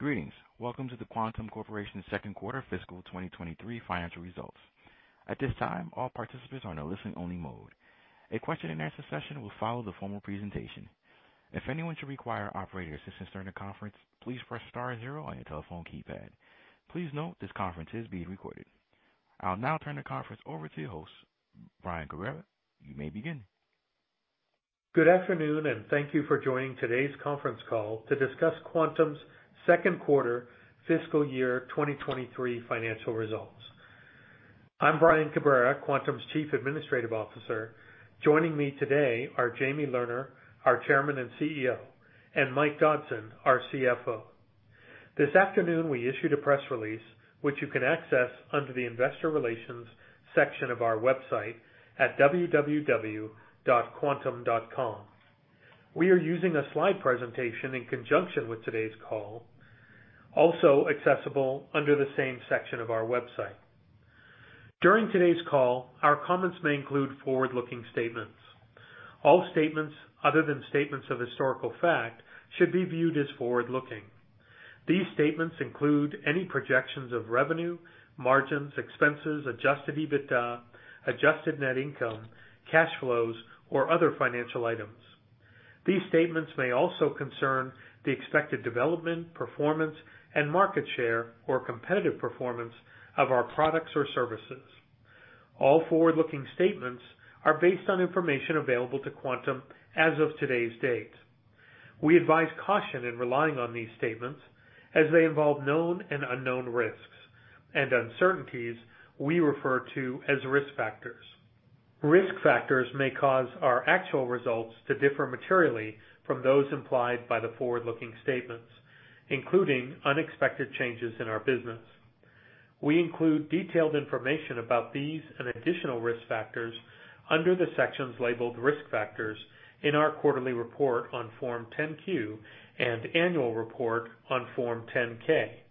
Greetings. Welcome to the Quantum Corporation's second quarter fiscal 2023 financial results. At this time, all participants are in a listen-only mode. A question-and-answer session will follow the formal presentation. If anyone should require operator assistance during the conference, please press star zero on your telephone keypad. Please note this conference is being recorded. I'll now turn the conference over to your host, Brian Cabrera. You may begin. Good afternoon, and thank you for joining today's conference call to discuss Quantum's second quarter fiscal year 2023 financial results. I'm Brian Cabrera, Quantum's Chief Administrative Officer. Joining me today are Jamie Lerner, our Chairman and CEO, and Mike Dodson, our CFO. This afternoon, we issued a press release which you can access under the Investor Relations section of our website at www.quantum.com. We are using a slide presentation in conjunction with today's call, also accessible under the same section of our website. During today's call, our comments may include forward-looking statements. All statements other than statements of historical fact should be viewed as forward-looking. These statements include any projections of revenue, margins, expenses, Adjusted EBITDA, Adjusted Net Income, cash flows, or other financial items. These statements may also concern the expected development, performance and market share or competitive performance of our products or services. All forward-looking statements are based on information available to Quantum as of today's date. We advise caution in relying on these statements as they involve known and unknown risks and uncertainties we refer to as risk factors. Risk factors may cause our actual results to differ materially from those implied by the forward-looking statements, including unexpected changes in our business. We include detailed information about these and additional risk factors under the sections labeled Risk Factors in our quarterly report on Form 10-Q and annual report on Form 10-K,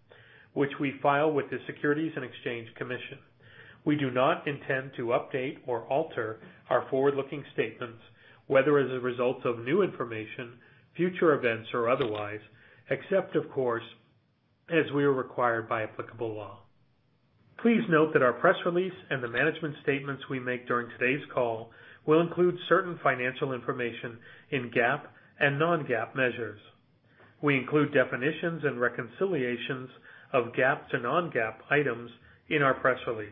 which we file with the Securities and Exchange Commission. We do not intend to update or alter our forward-looking statements, whether as a result of new information, future events, or otherwise, except, of course, as we are required by applicable law. Please note that our press release and the management statements we make during today's call will include certain financial information in GAAP and non-GAAP measures. We include definitions and reconciliations of GAAP to non-GAAP items in our press release.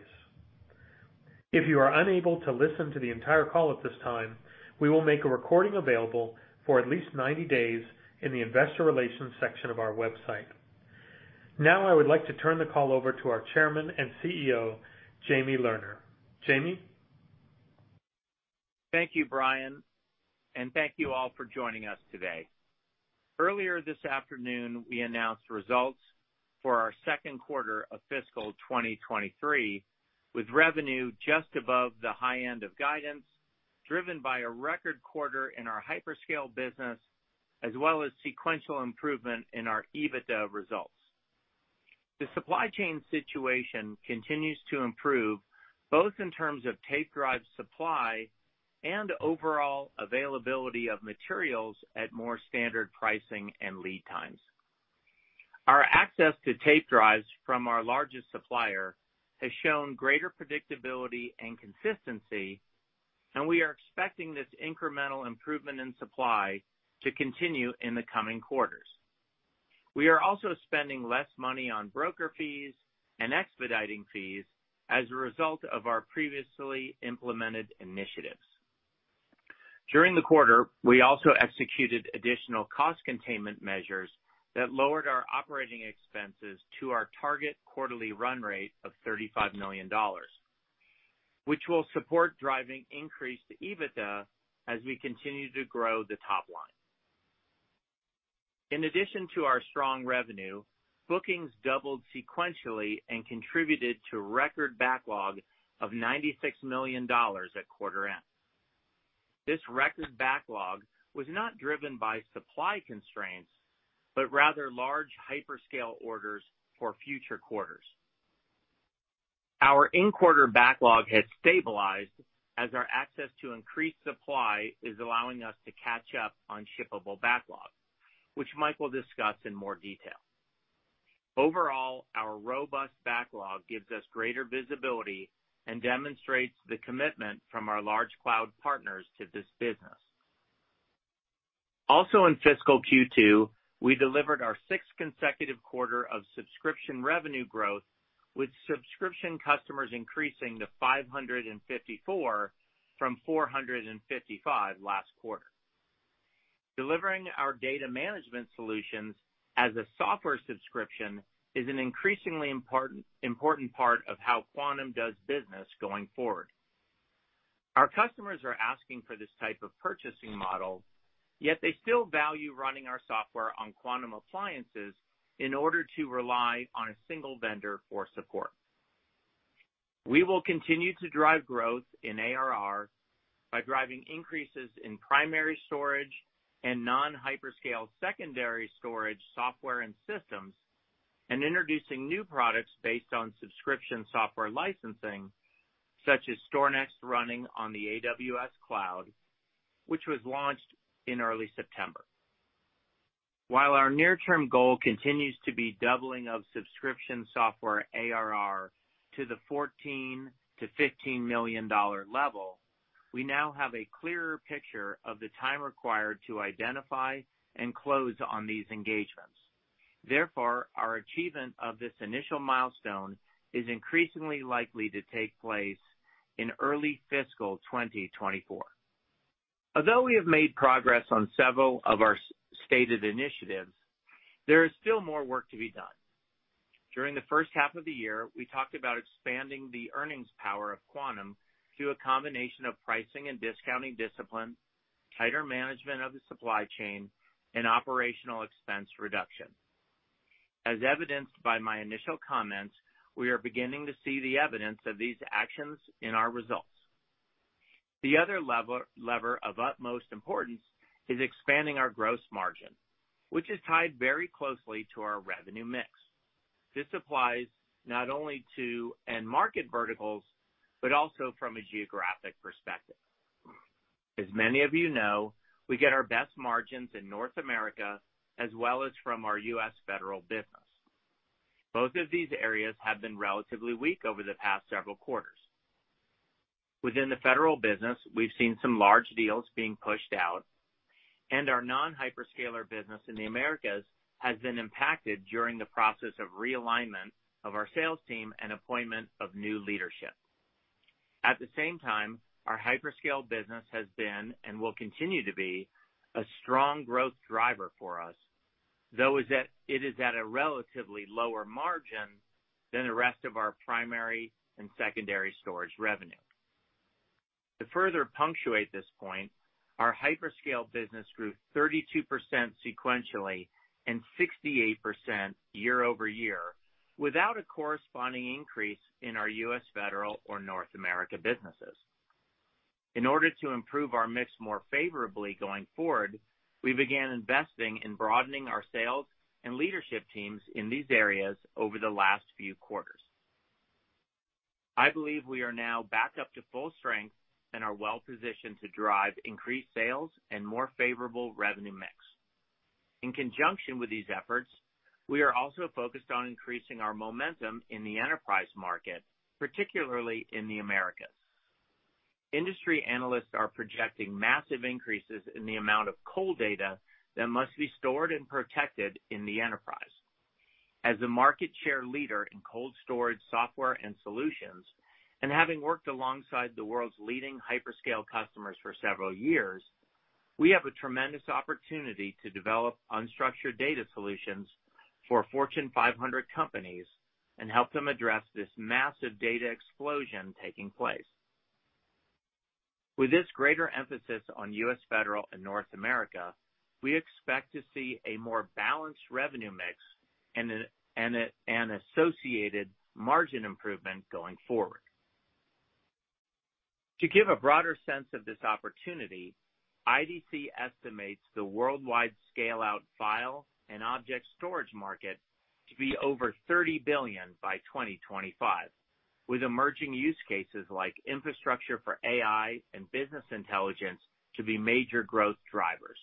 If you are unable to listen to the entire call at this time, we will make a recording available for at least 90 days in the Investor Relations section of our website. Now I would like to turn the call over to our Chairman and CEO, Jamie Lerner. Jamie. Thank you, Brian, and thank you all for joining us today. Earlier this afternoon, we announced results for our second quarter of fiscal 2023, with revenue just above the high end of guidance, driven by a record quarter in our hyperscale business as well as sequential improvement in our EBITDA results. The supply chain situation continues to improve, both in terms of tape drive supply and overall availability of materials at more standard pricing and lead times. Our access to tape drives from our largest supplier has shown greater predictability and consistency, and we are expecting this incremental improvement in supply to continue in the coming quarters. We are also spending less money on broker fees and expediting fees as a result of our previously implemented initiatives. During the quarter, we also executed additional cost containment measures that lowered our operating expenses to our target quarterly run rate of $35 million, which will support driving increased EBITDA as we continue to grow the top line. In addition to our strong revenue, bookings doubled sequentially and contributed to record backlog of $96 million at quarter end. This record backlog was not driven by supply constraints, but rather large hyperscale orders for future quarters. Our in-quarter backlog has stabilized as our access to increased supply is allowing us to catch up on shippable backlog, which Mike will discuss in more detail. Overall, our robust backlog gives us greater visibility and demonstrates the commitment from our large cloud partners to this business. Also in fiscal Q2, we delivered our sixth consecutive quarter of subscription revenue growth, with subscription customers increasing to 554 from 455 last quarter. Delivering our data management solutions as a software subscription is an increasingly important part of how Quantum does business going forward. Our customers are asking for this type of purchasing model, yet they still value running our software on Quantum appliances in order to rely on a single vendor for support. We will continue to drive growth in ARR by driving increases in primary storage and non-hyperscale secondary storage software and systems and introducing new products based on subscription software licensing, such as StorNext running on the AWS cloud, which was launched in early September. While our near-term goal continues to be doubling of subscription software ARR to the $14 million-$15 million level, we now have a clearer picture of the time required to identify and close on these engagements. Therefore, our achievement of this initial milestone is increasingly likely to take place in early fiscal 2024. Although we have made progress on several of our stated initiatives, there is still more work to be done. During the first half of the year, we talked about expanding the earnings power of Quantum through a combination of pricing and discounting discipline, tighter management of the supply chain, and operational expense reduction. As evidenced by my initial comments, we are beginning to see the evidence of these actions in our results. The other lever of utmost importance is expanding our gross margin, which is tied very closely to our revenue mix. This applies not only to end market verticals, but also from a geographic perspective. As many of you know, we get our best margins in North America as well as from our U.S. federal business. Both of these areas have been relatively weak over the past several quarters. Within the federal business, we've seen some large deals being pushed out, and our non-hyperscaler business in the Americas has been impacted during the process of realignment of our sales team and appointment of new leadership. At the same time, our hyperscale business has been, and will continue to be, a strong growth driver for us, though it is at a relatively lower margin than the rest of our primary and secondary storage revenue. To further punctuate this point, our hyperscale business grew 32% sequentially, and 68% year-over-year, without a corresponding increase in our U.S. federal or North America businesses. In order to improve our mix more favorably going forward, we began investing in broadening our sales and leadership teams in these areas over the last few quarters. I believe we are now back up to full strength and are well-positioned to drive increased sales and more favorable revenue mix. In conjunction with these efforts, we are also focused on increasing our momentum in the enterprise market, particularly in the Americas. Industry analysts are projecting massive increases in the amount of cold data that must be stored and protected in the enterprise. As the market share leader in cold storage software and solutions, and having worked alongside the world's leading hyperscale customers for several years, we have a tremendous opportunity to develop unstructured data solutions for Fortune 500 companies and help them address this massive data explosion taking place. With this greater emphasis on U.S. federal and North America, we expect to see a more balanced revenue mix and an associated margin improvement going forward. To give a broader sense of this opportunity, IDC estimates the worldwide scale-out file and object storage market to be over $30 billion by 2025, with emerging use cases like infrastructure for AI and business intelligence to be major growth drivers.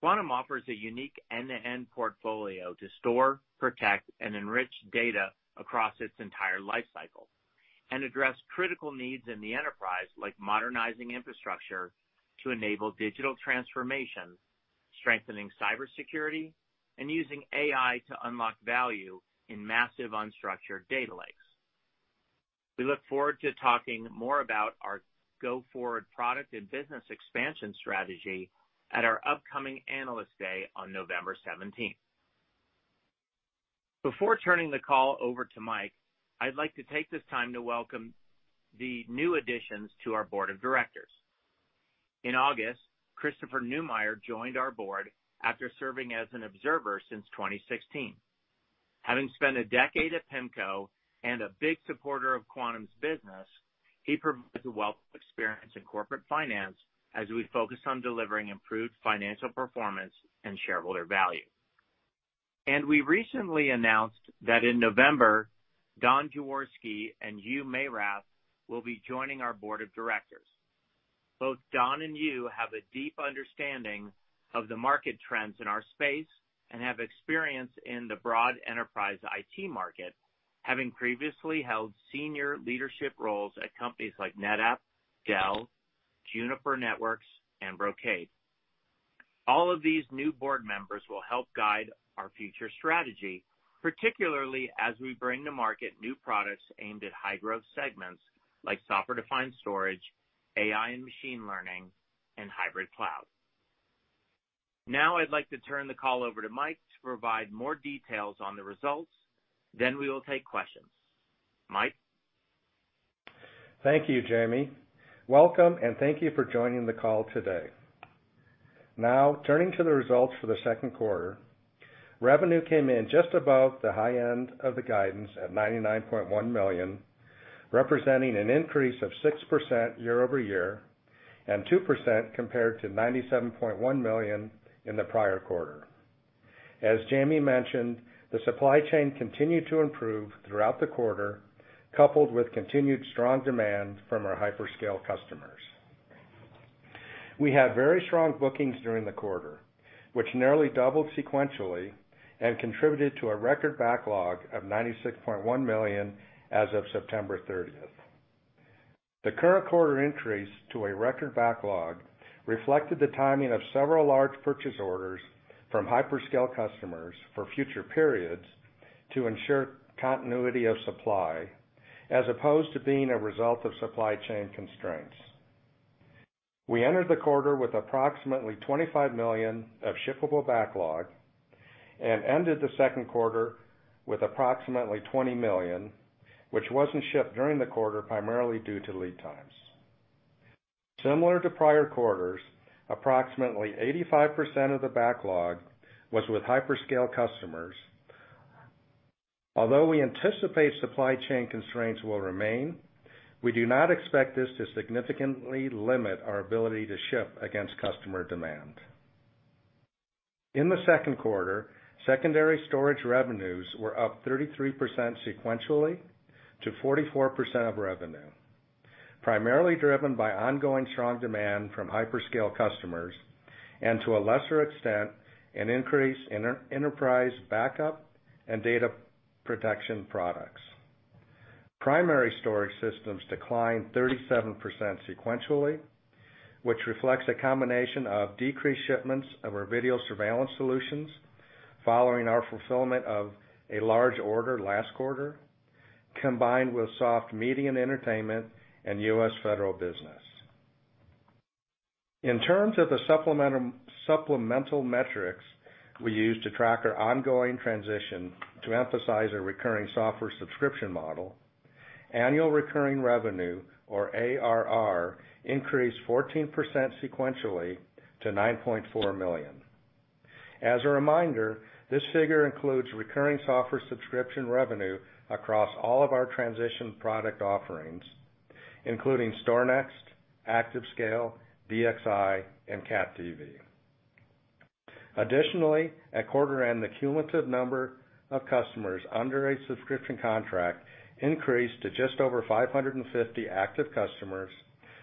Quantum offers a unique end-to-end portfolio to store, protect, and enrich data across its entire life cycle and address critical needs in the enterprise, like modernizing infrastructure to enable digital transformation, strengthening cybersecurity, and using AI to unlock value in massive unstructured data lakes. We look forward to talking more about our go-forward product and business expansion strategy at our upcoming Analyst Day on November 17th, 2022. Before turning the call over to Mike, I'd like to take this time to welcome the new additions to our board of directors. In August, Christopher Neumeyer joined our board after serving as an observer since 2016. Having spent a decade at PIMCO and a big supporter of Quantum's business, he provides a wealth of experience in corporate finance as we focus on delivering improved financial performance and shareholder value. We recently announced that in November, Don Jaworski and Hugues Meyrath will be joining our board of directors. Both Don and Hugues have a deep understanding of the market trends in our space and have experience in the broad enterprise IT market, having previously held senior leadership roles at companies like NetApp, Dell, Juniper Networks, and Brocade. All of these new board members will help guide our future strategy, particularly as we bring to market new products aimed at high-growth segments like software-defined storage, AI and machine learning, and hybrid cloud. Now I'd like to turn the call over to Mike to provide more details on the results, then we will take questions. Mike? Thank you, Jamie. Welcome and thank you for joining the call today. Now, turning to the results for the second quarter. Revenue came in just above the high end of the guidance at $99.1 million. Representing an increase of 6% year-over-year, and 2% compared to $97.1 million in the prior quarter. As Jamie mentioned, the supply chain continued to improve throughout the quarter, coupled with continued strong demand from our hyperscale customers. We had very strong bookings during the quarter, which nearly doubled sequentially and contributed to a record backlog of $96.1 million as of September 30th, 2022. The current quarter increase to a record backlog reflected the timing of several large purchase orders from hyperscale customers for future periods to ensure continuity of supply, as opposed to being a result of supply chain constraints. We entered the quarter with approximately $25 million of shippable backlog and ended the second quarter with approximately $20 million, which wasn't shipped during the quarter, primarily due to lead times. Similar to prior quarters, approximately 85% of the backlog was with hyperscale customers. Although we anticipate supply chain constraints will remain, we do not expect this to significantly limit our ability to ship against customer demand. In the second quarter, secondary storage revenues were up 33% sequentially to 44% of revenue, primarily driven by ongoing strong demand from hyperscale customers and to a lesser extent, an increase in enterprise backup and data protection products. Primary storage systems declined 37% sequentially, which reflects a combination of decreased shipments of our video surveillance solutions following our fulfillment of a large order last quarter, combined with soft media and entertainment and U.S. federal business. In terms of the supplemental metrics we use to track our ongoing transition to emphasize our recurring software subscription model, annual recurring revenue, or ARR, increased 14% sequentially to $9.4 million. As a reminder, this figure includes recurring software subscription revenue across all of our transition product offerings, including StorNext, ActiveScale, DXi, and CatDV. Additionally, at quarter end, the cumulative number of customers under a subscription contract increased to just over 550 active customers,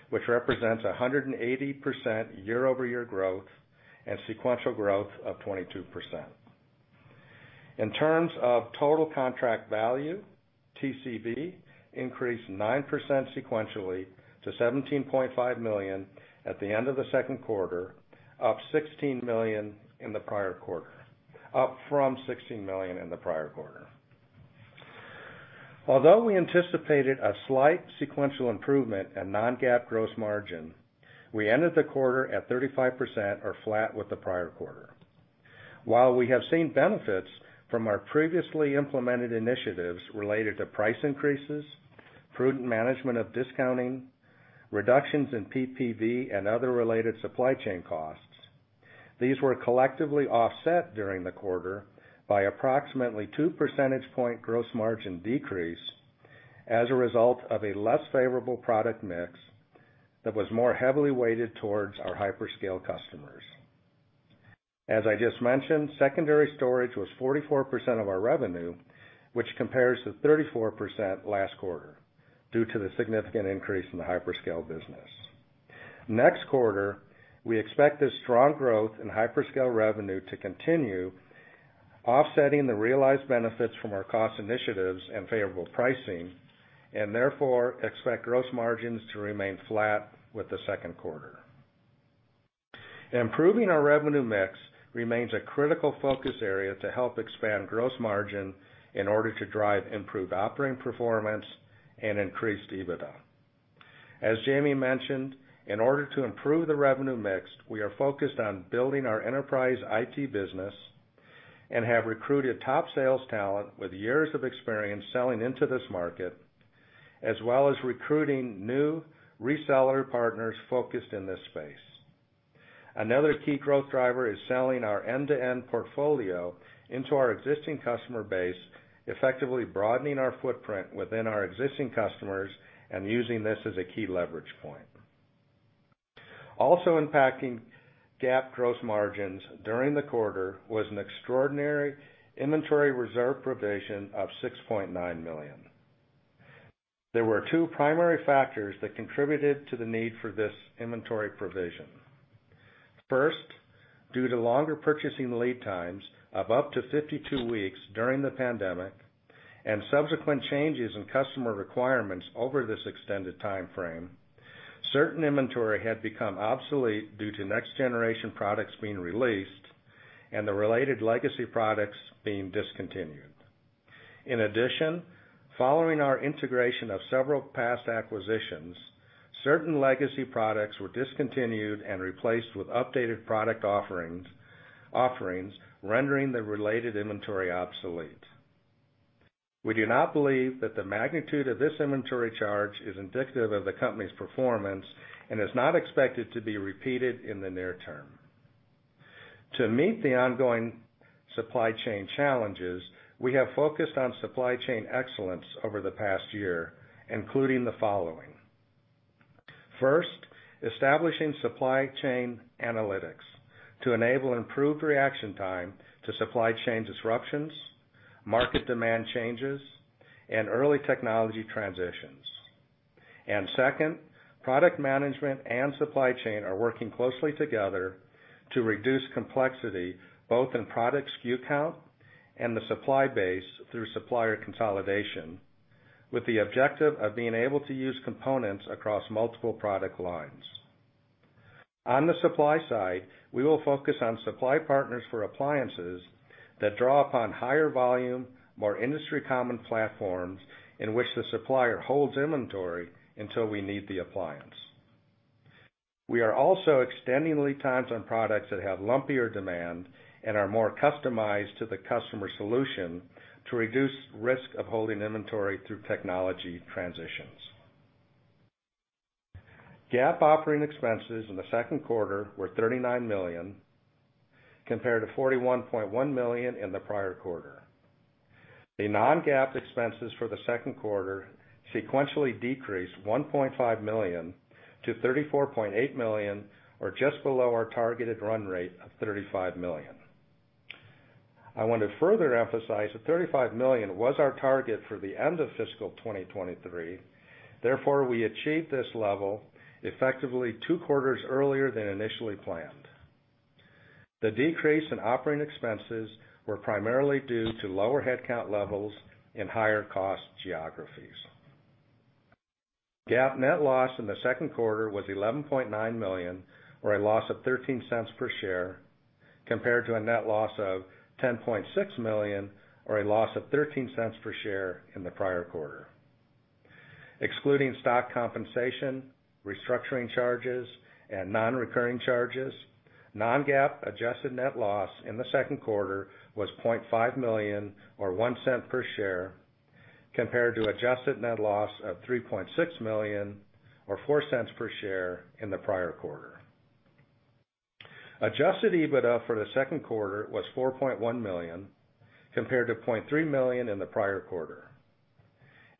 which represents 180% year-over-year growth and sequential growth of 22%. In terms of total contract value, TCV increased 9% sequentially to $17.5 million at the end of the second quarter, up from $16 million in the prior quarter. Although we anticipated a slight sequential improvement in non-GAAP gross margin, we ended the quarter at 35% or flat with the prior quarter. While we have seen benefits from our previously implemented initiatives related to price increases, prudent management of discounting, reductions in PPV and other related supply chain costs, these were collectively offset during the quarter by approximately two percentage points gross margin decrease as a result of a less favorable product mix that was more heavily weighted towards our hyperscale customers. As I just mentioned, secondary storage was 44% of our revenue, which compares to 34% last quarter due to the significant increase in the hyperscale business. Next quarter, we expect this strong growth in hyperscale revenue to continue offsetting the realized benefits from our cost initiatives and favorable pricing, and therefore expect gross margins to remain flat with the second quarter. Improving our revenue mix remains a critical focus area to help expand gross margin in order to drive improved operating performance and increased EBITDA. As Jamie mentioned, in order to improve the revenue mix, we are focused on building our enterprise IT business and have recruited top sales talent with years of experience selling into this market, as well as recruiting new reseller partners focused in this space. Another key growth driver is selling our end-to-end portfolio into our existing customer base, effectively broadening our footprint within our existing customers and using this as a key leverage point. Also impacting GAAP gross margins during the quarter was an extraordinary inventory reserve provision of $6.9 million. There were two primary factors that contributed to the need for this inventory provision. First, due to longer purchasing lead times of up to 52 weeks during the pandemic and subsequent changes in customer requirements over this extended timeframe, certain inventory had become obsolete due to next generation products being released and the related legacy products being discontinued. In addition, following our integration of several past acquisitions, certain legacy products were discontinued and replaced with updated product offerings rendering the related inventory obsolete. We do not believe that the magnitude of this inventory charge is indicative of the company's performance and is not expected to be repeated in the near term. To meet the ongoing supply chain challenges, we have focused on supply chain excellence over the past year, including the following. First, establishing supply chain analytics to enable improved reaction time to supply chain disruptions, market demand changes, and early technology transitions. Second, product management and supply chain are working closely together to reduce complexity, both in product SKU count and the supply base through supplier consolidation, with the objective of being able to use components across multiple product lines. On the supply side, we will focus on supply partners for appliances that draw upon higher volume, more industry common platforms in which the supplier holds inventory until we need the appliance. We are also extending lead times on products that have lumpier demand and are more customized to the customer solution to reduce risk of holding inventory through technology transitions. GAAP operating expenses in the second quarter were $39 million compared to $41.1 million in the prior quarter. The non-GAAP expenses for the second quarter sequentially decreased $1.5 million-$34.8 million, or just below our targeted run rate of $35 million. I want to further emphasize that $35 million was our target for the end of fiscal 2023. Therefore, we achieved this level effectively two quarters earlier than initially planned. The decrease in operating expenses were primarily due to lower headcount levels in higher cost geographies. GAAP net loss in the second quarter was $11.9 million, or a loss of $0.13 per share, compared to a net loss of $10.6 million or a loss of $0.13 per share in the prior quarter. Excluding stock compensation, restructuring charges, and non-recurring charges, non-GAAP adjusted net loss in the second quarter was $0.5 million or $0.01 per share, compared to adjusted net loss of $3.6 million or $0.04 per share in the prior quarter. Adjusted EBITDA for the second quarter was $4.1 million, compared to $0.3 million in the prior quarter.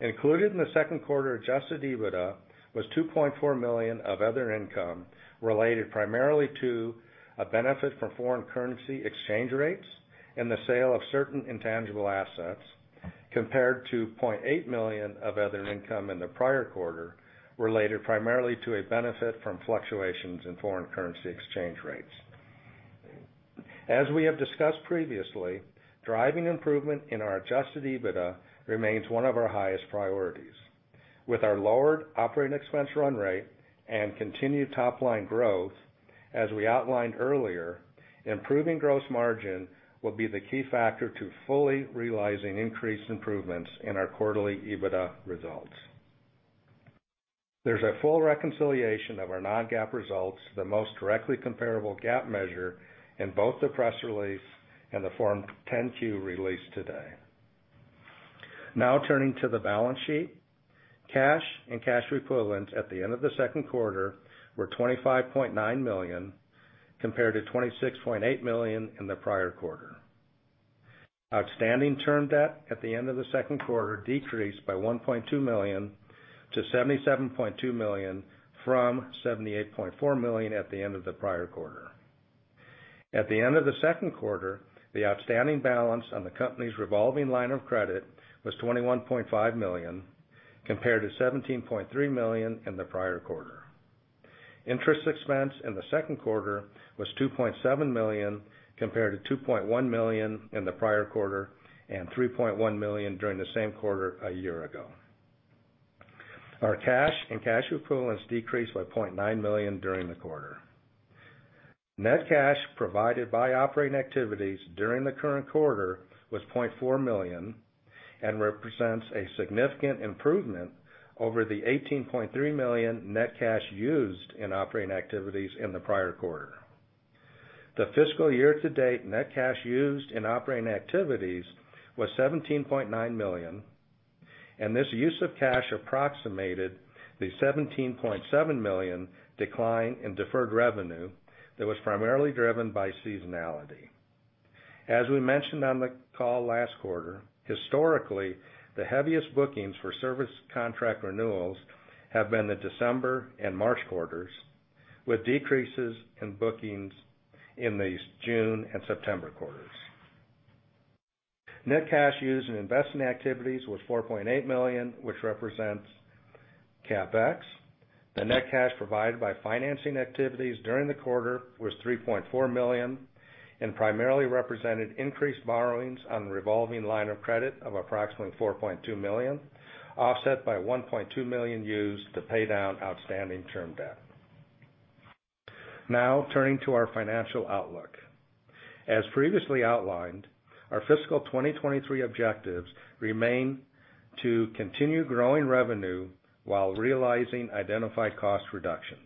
Included in the second quarter Adjusted EBITDA was $2.4 million of other income related primarily to a benefit from foreign currency exchange rates and the sale of certain intangible assets compared to $0.8 million of other income in the prior quarter related primarily to a benefit from fluctuations in foreign currency exchange rates. As we have discussed previously, driving improvement in our Adjusted EBITDA remains one of our highest priorities. With our lowered operating expense run rate and continued top line growth, as we outlined earlier, improving gross margin will be the key factor to fully realizing increased improvements in our quarterly EBITDA results. There's a full reconciliation of our non-GAAP results, the most directly comparable GAAP measure in both the press release and the Form 10-Q released today. Now turning to the balance sheet. Cash and cash equivalents at the end of the second quarter were $25.9 million, compared to $26.8 million in the prior quarter. Outstanding term debt at the end of the second quarter decreased by $1.2 million to $77.2 million from $78.4 million at the end of the prior quarter. At the end of the second quarter, the outstanding balance on the company's revolving line of credit was $21.5 million, compared to $17.3 million in the prior quarter. Interest expense in the second quarter was $2.7 million, compared to $2.1 million in the prior quarter and $3.1 million during the same quarter a year ago. Our cash and cash equivalents decreased by $900,000 during the quarter. Net cash provided by operating activities during the current quarter was $0.4 million and represents a significant improvement over the $18.3 million net cash used in operating activities in the prior quarter. The fiscal year-to-date net cash used in operating activities was $17.9 million, and this use of cash approximated the $17.7 million decline in deferred revenue that was primarily driven by seasonality. As we mentioned on the call last quarter, historically, the heaviest bookings for service contract renewals have been the December and March quarters, with decreases in bookings in the June and September quarters. Net cash used in investing activities was $4.8 million, which represents CapEx. The net cash provided by financing activities during the quarter was $3.4 million and primarily represented increased borrowings on the revolving line of credit of approximately $4.2 million, offset by $1.2 million used to pay down outstanding term debt. Now, turning to our financial outlook. As previously outlined, our fiscal 2023 objectives remain to continue growing revenue while realizing identified cost reductions.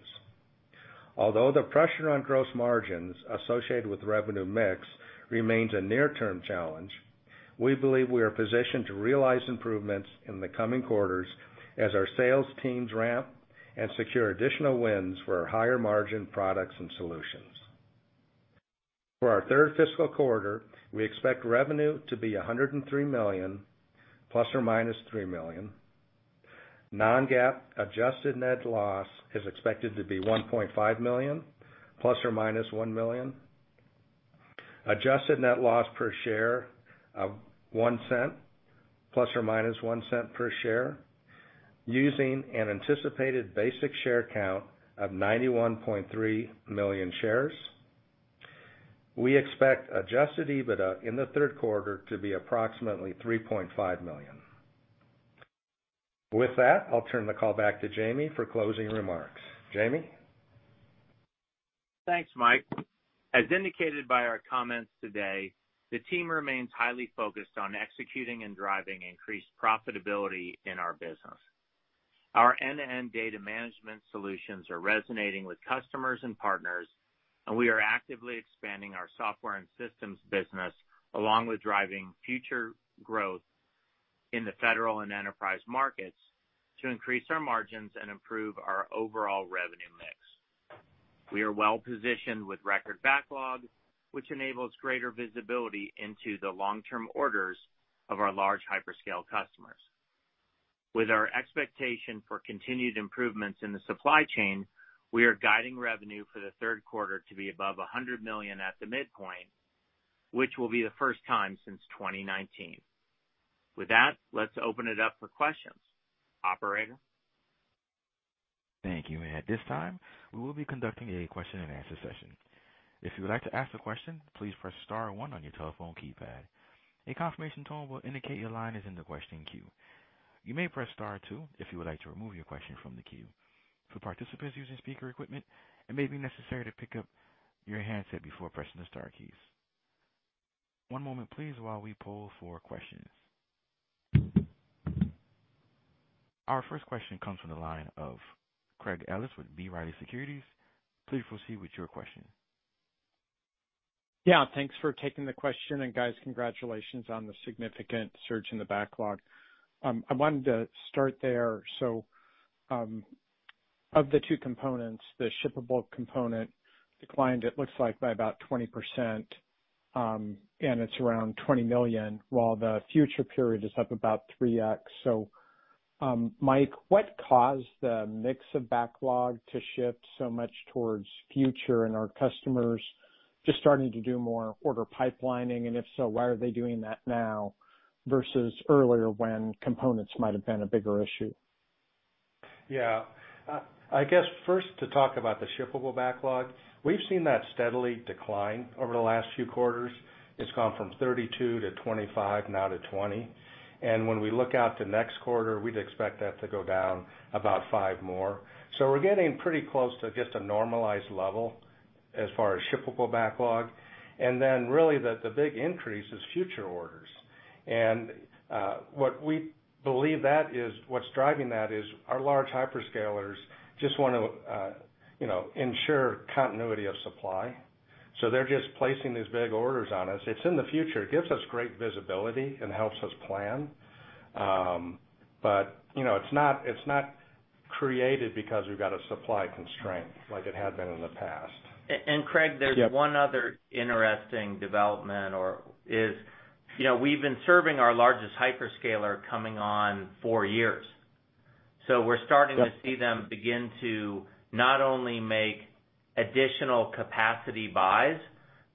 Although the pressure on gross margins associated with revenue mix remains a near-term challenge. We believe we are positioned to realize improvements in the coming quarters as our sales teams ramp and secure additional wins for our higher margin products and solutions. For our third fiscal quarter, we expect revenue to be $103 million, ±3 million. Non-GAAP adjusted net loss is expected to be $1.5 million ± $1 million. Adjusted net loss per share of $0.01 ± $0.01 per share, using an anticipated basic share count of 91.3 million shares. We expect Adjusted EBITDA in the third quarter to be approximately $3.5 million. With that, I'll turn the call back to Jamie for closing remarks. Jamie? Thanks, Mike. As indicated by our comments today, the team remains highly focused on executing and driving increased profitability in our business. Our end-to-end data management solutions are resonating with customers and partners, and we are actively expanding our software and systems business along with driving future growth in the federal and enterprise markets to increase our margins and improve our overall revenue mix. We are well positioned with record backlog, which enables greater visibility into the long-term orders of our large hyperscale customers. With our expectation for continued improvements in the supply chain, we are guiding revenue for the third quarter to be above $100 million at the midpoint, which will be the first time since 2019. With that, let's open it up for questions. Operator? Thank you. At this time, we will be conducting a question-and-answer session. If you would like to ask a question, please press star one on your telephone keypad. A confirmation tone will indicate your line is in the question queue. You may press star two if you would like to remove your question from the queue. For participants using speaker equipment, it may be necessary to pick up your handset before pressing the star keys. One moment please while we poll for questions. Our first question comes from the line of Craig Ellis with B. Riley Securities. Please proceed with your question. Yeah, thanks for taking the question. Guys, congratulations on the significant surge in the backlog. I wanted to start there. Of the two components, the shippable component declined, it looks like, by about 20%, and it's around $20 million, while the future period is up about 3x. Mike, what caused the mix of backlog to shift so much towards future and our customers just starting to do more order pipelining? If so, why are they doing that now versus earlier when components might have been a bigger issue? Yeah. I guess first to talk about the shippable backlog, we've seen that steadily decline over the last few quarters. It's gone from 32%-25%, now to 20%. When we look out to next quarter, we'd expect that to go down about 5% more. We're getting pretty close to just a normalized level as far as shippable backlog. Then really the big increase is future orders. What we believe that is, what's driving that is our large hyperscalers just want to, you know, ensure continuity of supply, so they're just placing these big orders on us. It's in the future. It gives us great visibility and helps us plan. You know, it's not created because we've got a supply constraint like it had been in the past. Craig, there's one other interesting development. You know, we've been serving our largest hyperscaler coming on four years. We're starting to see them begin to not only make additional capacity buys,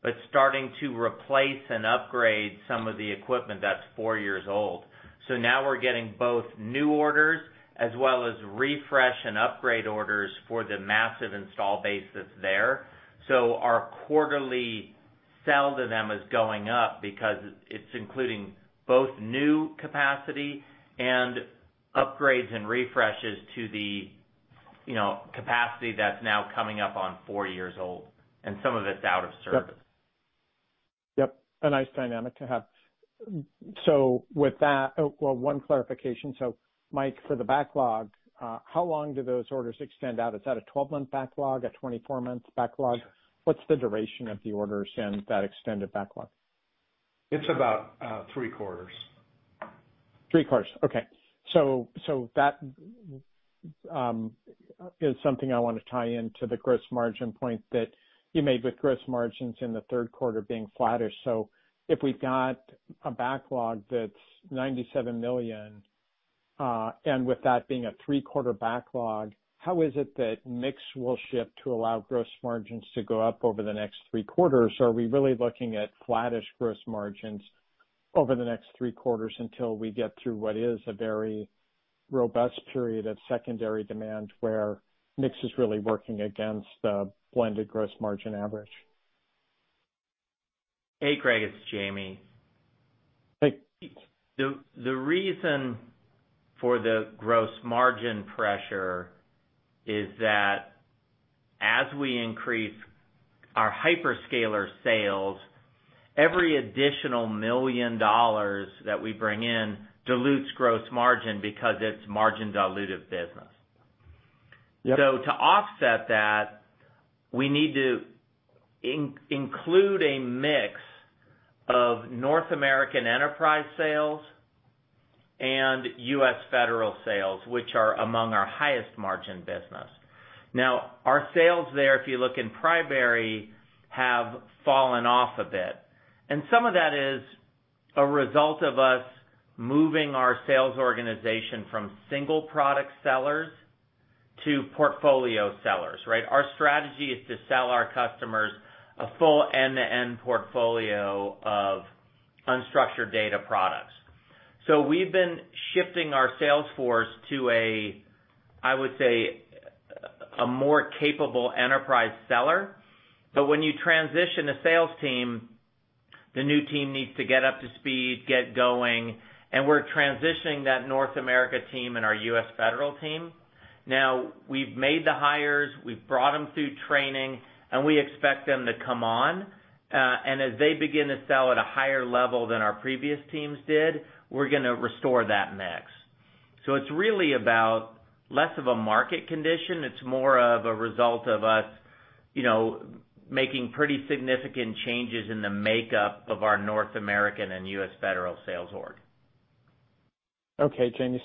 but starting to replace and upgrade some of the equipment that's four years old. Now we're getting both new orders as well as refresh and upgrade orders for the massive installed base that's there. Our quarterly sales to them is going up because it's including both new capacity and upgrades and refreshes to the, you know, capacity that's now coming up on four years old, and some of it's out of service. Yep. A nice dynamic to have. Well, one clarification. Mike, for the backlog, how long do those orders extend out? Is that a 12-month backlog? A 24-month backlog? What's the duration of the orders in that extended backlog? It's about three quarters. Three quarters. Okay. That is something I wanna tie into the gross margin point that you made with gross margins in the third quarter being flattish. If we've got a backlog that's $97 million, and with that being a three-quarter backlog, how is it that mix will shift to allow gross margins to go up over the next three quarters? Are we really looking at flattish gross margins over the next three quarters until we get through what is a very robust period of secondary demand, where mix is really working against the blended gross margin average? Hey, Craig, it's Jamie. Hey. The reason for the gross margin pressure is that as we increase our hyperscaler sales, every additional $1 million that we bring in dilutes gross margin because it's margin dilutive business. To offset that, we need to include a mix of North American enterprise sales and U.S. federal sales, which are among our highest margin business. Now, our sales there, if you look in prior, have fallen off a bit, and some of that is a result of us moving our sales organization from single product sellers to portfolio sellers, right? Our strategy is to sell our customers a full end-to-end portfolio of unstructured data products. We've been shifting our sales force to a, I would say, a more capable enterprise seller. When you transition a sales team, the new team needs to get up to speed, get going, and we're transitioning that North American team and our U.S. federal team. Now, we've made the hires, we've brought them through training, and we expect them to come on. As they begin to sell at a higher level than our previous teams did, we're gonna restore that mix. It's really about less of a market condition. It's more of a result of us, you know, making pretty significant changes in the makeup of our North American and U.S. federal sales org. Okay, Jamie.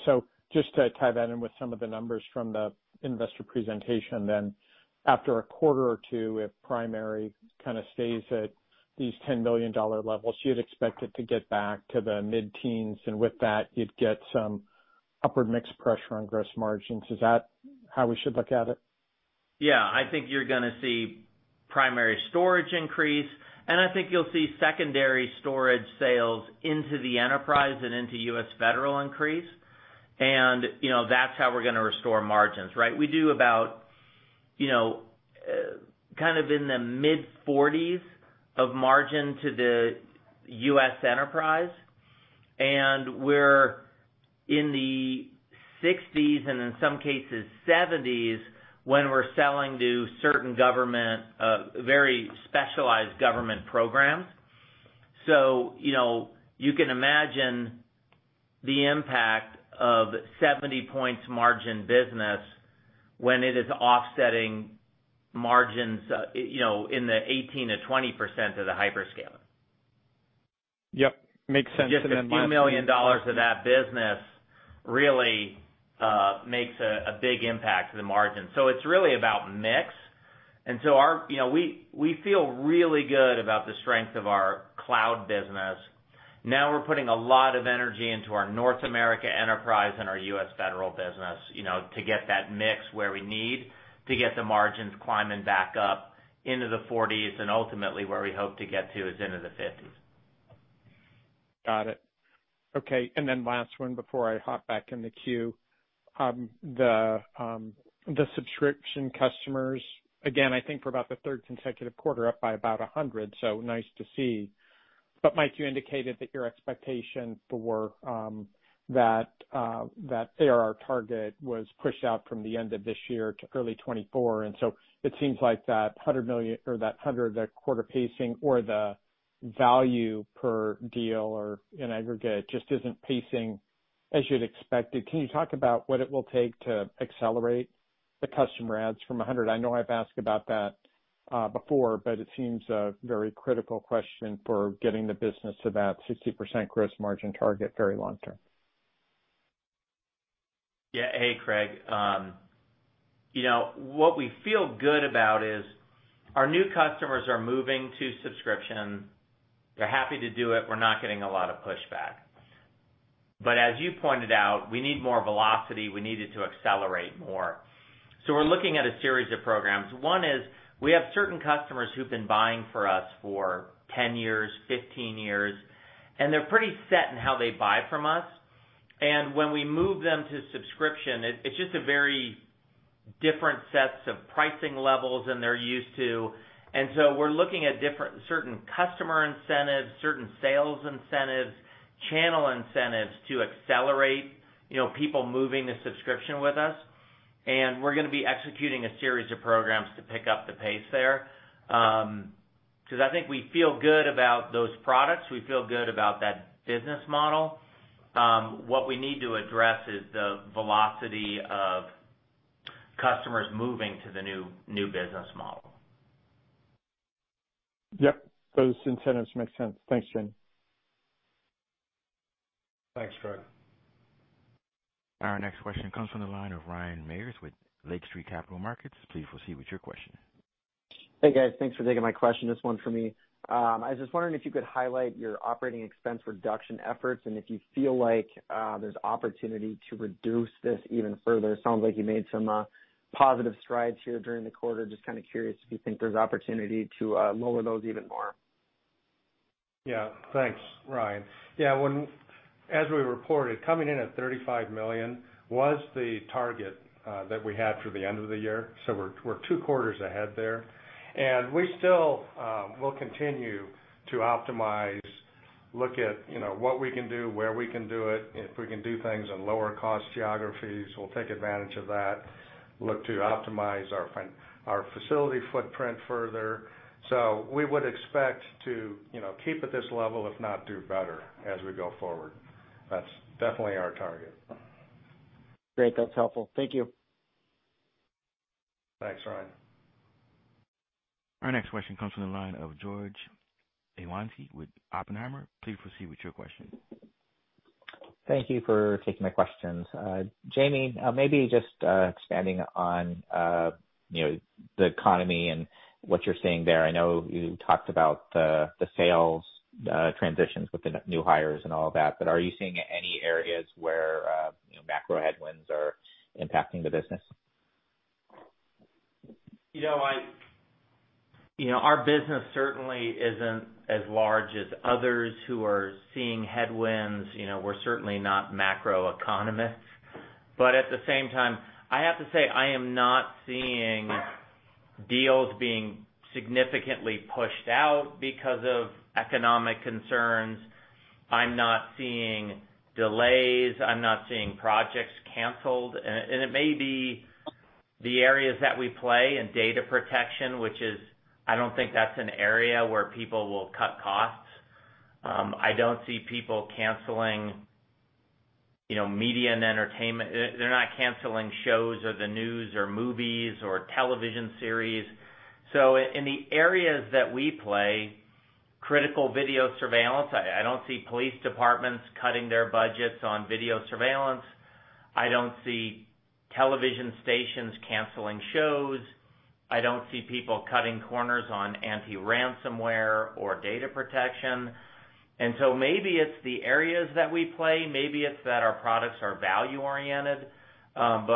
Just to tie that in with some of the numbers from the investor presentation then, after a quarter or two, if primary kind of stays at these $10 million levels, you'd expect it to get back to the mid-teens, and with that, you'd get some upward mix pressure on gross margins. Is that how we should look at it? Yeah. I think you're gonna see primary storage increase, and I think you'll see secondary storage sales into the enterprise and into U.S. federal increase. You know, that's how we're gonna restore margins, right? We do about, you know, kind of in the mid-40s% margin to the U.S. enterprise, and we're in the 60s%, and in some cases, 70s%, when we're selling to certain government, very specialized government programs. You know, you can imagine the impact of 70-point margin business when it is offsetting margins, you know, in the 18%-20% of the hyperscaler. Yep. Makes sense. Just a few million dollars of that business really makes a big impact to the margin. So it's really about mix. Our you know, we feel really good about the strength of our cloud business. Now we're putting a lot of energy into our North America enterprise and our U.S. federal business, you know, to get that mix where we need to get the margins climbing back up into the 40s% and ultimately where we hope to get to is into the 50s%. Got it. Okay. Last one before I hop back in the queue. The subscription customers, again, I think for about the third consecutive quarter up by about 100, so nice to see. Mike, you indicated that your expectation for that ARR target was pushed out from the end of this year to early 2024, and so it seems like that $100 million or that 100 quarter pacing or the value per deal or in aggregate just isn't pacing as you'd expected. Can you talk about what it will take to accelerate the customer adds from 100? I know I've asked about that before, but it seems a very critical question for getting the business to that 60% gross margin target very long term. Yeah. Hey, Craig. You know, what we feel good about is our new customers are moving to subscription. They're happy to do it. We're not getting a lot of pushback. As you pointed out, we need more velocity. We need it to accelerate more. We're looking at a series of programs. One is we have certain customers who've been buying for us for 10 years, 15 years, and they're pretty set in how they buy from us. When we move them to subscription, it's just a very different sets of pricing levels than they're used to. We're looking at different certain customer incentives, certain sales incentives, channel incentives to accelerate, you know, people moving to subscription with us. We're gonna be executing a series of programs to pick up the pace there, 'cause I think we feel good about those products. We feel good about that business model. What we need to address is the velocity of customers moving to the new business model. Yep. Those incentives make sense. Thanks, Jamie. Thanks, Craig. Our next question comes from the line of Ryan Meyers with Lake Street Capital Markets. Please proceed with your question. Hey, guys. Thanks for taking my question. This one's for me. I was just wondering if you could highlight your operating expense reduction efforts and if you feel like there's opportunity to reduce this even further. Sounds like you made some positive strides here during the quarter. Just kind of curious if you think there's opportunity to lower those even more. Yeah. Thanks, Ryan. Yeah, as we reported, coming in at $35 million was the target that we had for the end of the year, so we're two quarters ahead there. We still will continue to optimize, look at, you know, what we can do, where we can do it. If we can do things in lower cost geographies, we'll take advantage of that, look to optimize our facility footprint further. We would expect to, you know, keep at this level, if not do better as we go forward. That's definitely our target. Great. That's helpful. Thank you. Thanks, Ryan. Our next question comes from the line of George Iwanyc with Oppenheimer. Please proceed with your question. Thank you for taking my questions. Jamie, maybe just expanding on you know, the economy and what you're seeing there. I know you talked about the sales transitions with the new hires and all that, but are you seeing any areas where you know, macro headwinds are impacting the business? You know, you know, our business certainly isn't as large as others who are seeing headwinds. You know, we're certainly not macro economists. At the same time, I have to say, I am not seeing deals being significantly pushed out because of economic concerns. I'm not seeing delays. I'm not seeing projects canceled. It may be the areas that we play in data protection, which is, I don't think that's an area where people will cut costs. I don't see people canceling, you know, media and entertainment. They're not canceling shows or the news or movies or television series. In the areas that we play, critical video surveillance, I don't see police departments cutting their budgets on video surveillance. I don't see television stations canceling shows. I don't see people cutting corners on anti-ransomware or data protection. Maybe it's the areas that we play. Maybe it's that our products are value-oriented. I've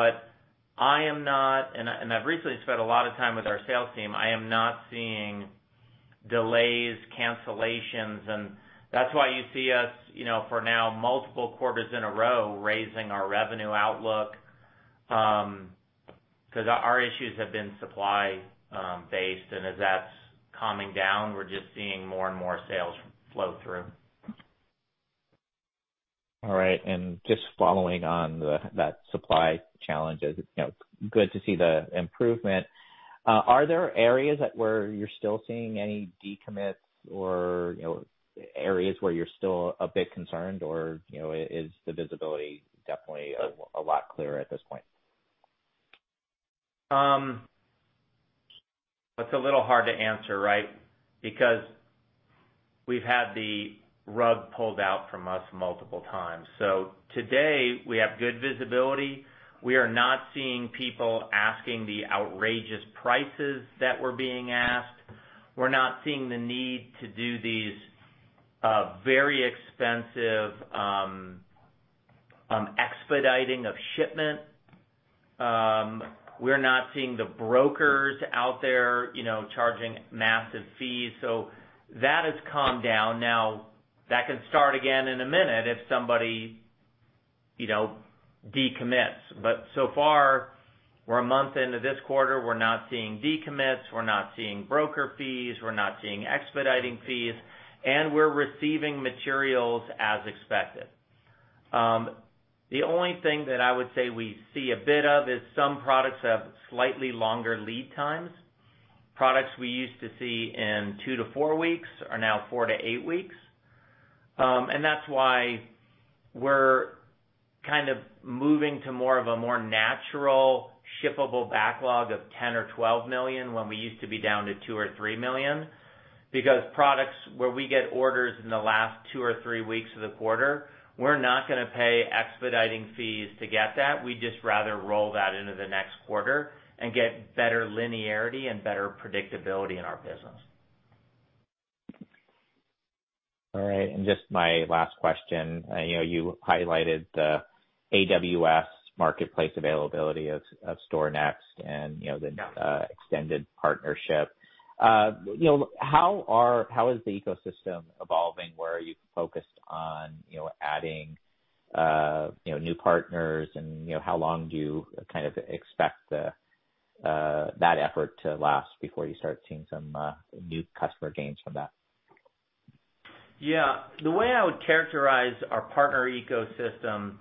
recently spent a lot of time with our sales team. I am not seeing delays, cancellations, and that's why you see us, you know, for now, multiple quarters in a row, raising our revenue outlook, 'cause our issues have been supply based. As that's calming down, we're just seeing more and more sales flow through. All right. Just following on that supply challenge, you know, good to see the improvement. Are there areas where you're still seeing any decommits or, you know, areas where you're still a bit concerned or, you know, is the visibility definitely a lot clearer at this point? That's a little hard to answer, right? Because we've had the rug pulled out from us multiple times. Today, we have good visibility. We are not seeing people asking the outrageous prices that were being asked. We're not seeing the need to do these very expensive expediting of shipment. We're not seeing the brokers out there, you know, charging massive fees. That has calmed down. Now, that can start again in a minute if somebody, you know, decommits. So far, we're a month into this quarter. We're not seeing decommits, we're not seeing broker fees, we're not seeing expediting fees, and we're receiving materials as expected. The only thing that I would say we see a bit of is some products have slightly longer lead times. Products we used to see in two to four weeks are now four to eight weeks. That's why we're kind of moving to more of a natural shippable backlog of $10 million-$12 million when we used to be down to $2 million-$3 million. Because products where we get orders in the last two to three weeks of the quarter, we're not gonna pay expediting fees to get that. We'd just rather roll that into the next quarter and get better linearity and better predictability in our business. All right. Just my last question. I know you highlighted the AWS marketplace availability of StorNext and, you know, the extended partnership. You know, how is the ecosystem evolving? Where are you focused on, you know, adding, you know, new partners and, you know, how long do you kind of expect that effort to last before you start seeing some new customer gains from that? Yeah. The way I would characterize our partner ecosystem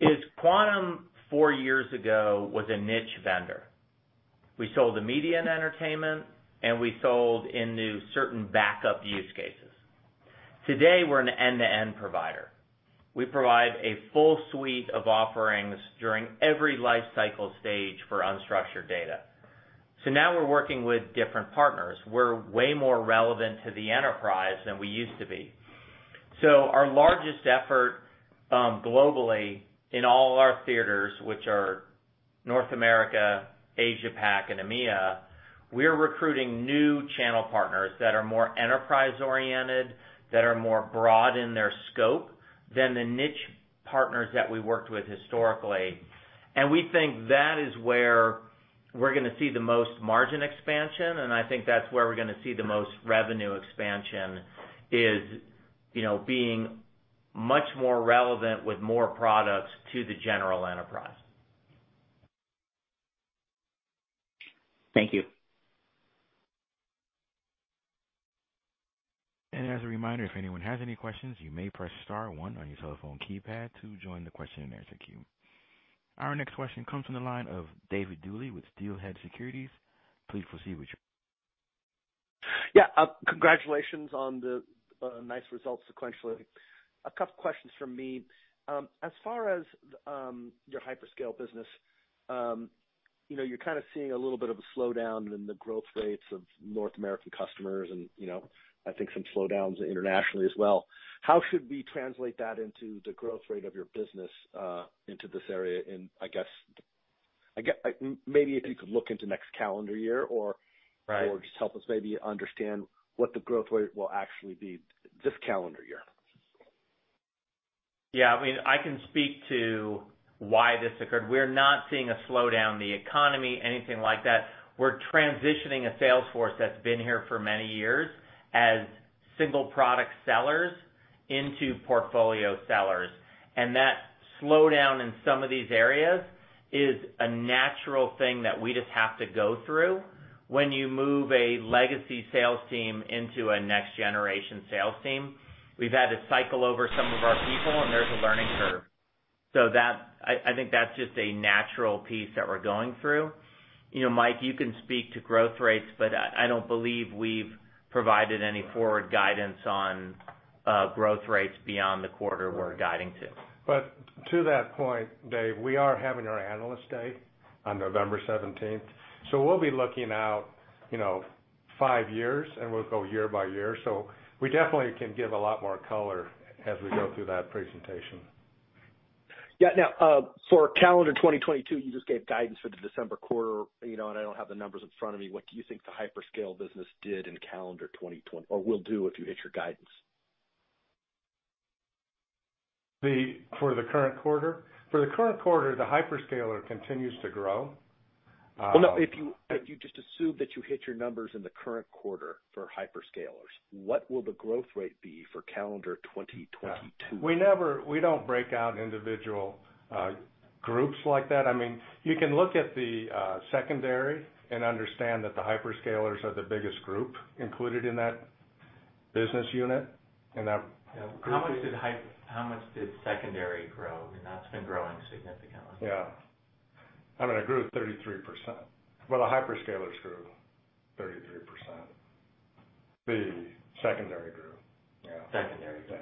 is Quantum four years ago was a niche vendor. We sold to media and entertainment, and we sold into certain backup use cases. Today, we're an end-to-end provider. We provide a full suite of offerings during every life cycle stage for unstructured data. Now we're working with different partners. We're way more relevant to the enterprise than we used to be. Our largest effort, globally in all our theaters, which are North America, Asia Pac, and EMEA, we're recruiting new channel partners that are more enterprise-oriented, that are more broad in their scope than the niche partners that we worked with historically. We think that is where we're gonna see the most margin expansion. I think that's where we're gonna see the most revenue expansion is, you know, being much more relevant with more products to the general enterprise. Thank you. As a reminder, if anyone has any questions, you may press star one on your telephone keypad to join the question-and-answer queue. Our next question comes from the line of David Duley with Steelhead Securities. Please proceed with your- Yeah. Congratulations on the nice results sequentially. A couple questions from me. As far as your hyperscale business, you know, you're kind of seeing a little bit of a slowdown in the growth rates of North American customers and, you know, I think some slowdowns internationally as well. How should we translate that into the growth rate of your business into this area in, maybe if you could look into next calendar year or- Right. Just help us maybe understand what the growth rate will actually be this calendar year? Yeah. I mean, I can speak to why this occurred. We're not seeing a slowdown in the economy, anything like that. We're transitioning a sales force that's been here for many years as single product sellers into portfolio sellers. That slowdown in some of these areas is a natural thing that we just have to go through when you move a legacy sales team into a next generation sales team. We've had to cycle over some of our people, and there's a learning curve. That's just a natural piece that we're going through. You know, Mike, you can speak to growth rates, but I don't believe we've provided any forward guidance on growth rates beyond the quarter we're guiding to. To that point, Dave, we are having our Analyst Day on November 17th, 2022. We'll be looking out, you know, five years, and we'll go year by year. We definitely can give a lot more color as we go through that presentation. Yeah. Now, for calendar 2022, you just gave guidance for the December quarter, you know, and I don't have the numbers in front of me. What do you think the hyperscale business did in calendar 2022 or will do if you hit your guidance? For the current quarter, the hyperscaler continues to grow. Well, no, if you just assume that you hit your numbers in the current quarter for hyperscalers, what will the growth rate be for calendar 2022? Yeah. We don't break out individual groups like that. I mean, you can look at the secondary and understand that the hyperscalers are the biggest group included in that business unit and that grouping. How much did secondary grow? I mean, that's been growing significantly. Yeah. I mean, it grew 33%. Well, the hyperscalers grew 33%. The secondary grew. Yeah. Secondary. Yeah.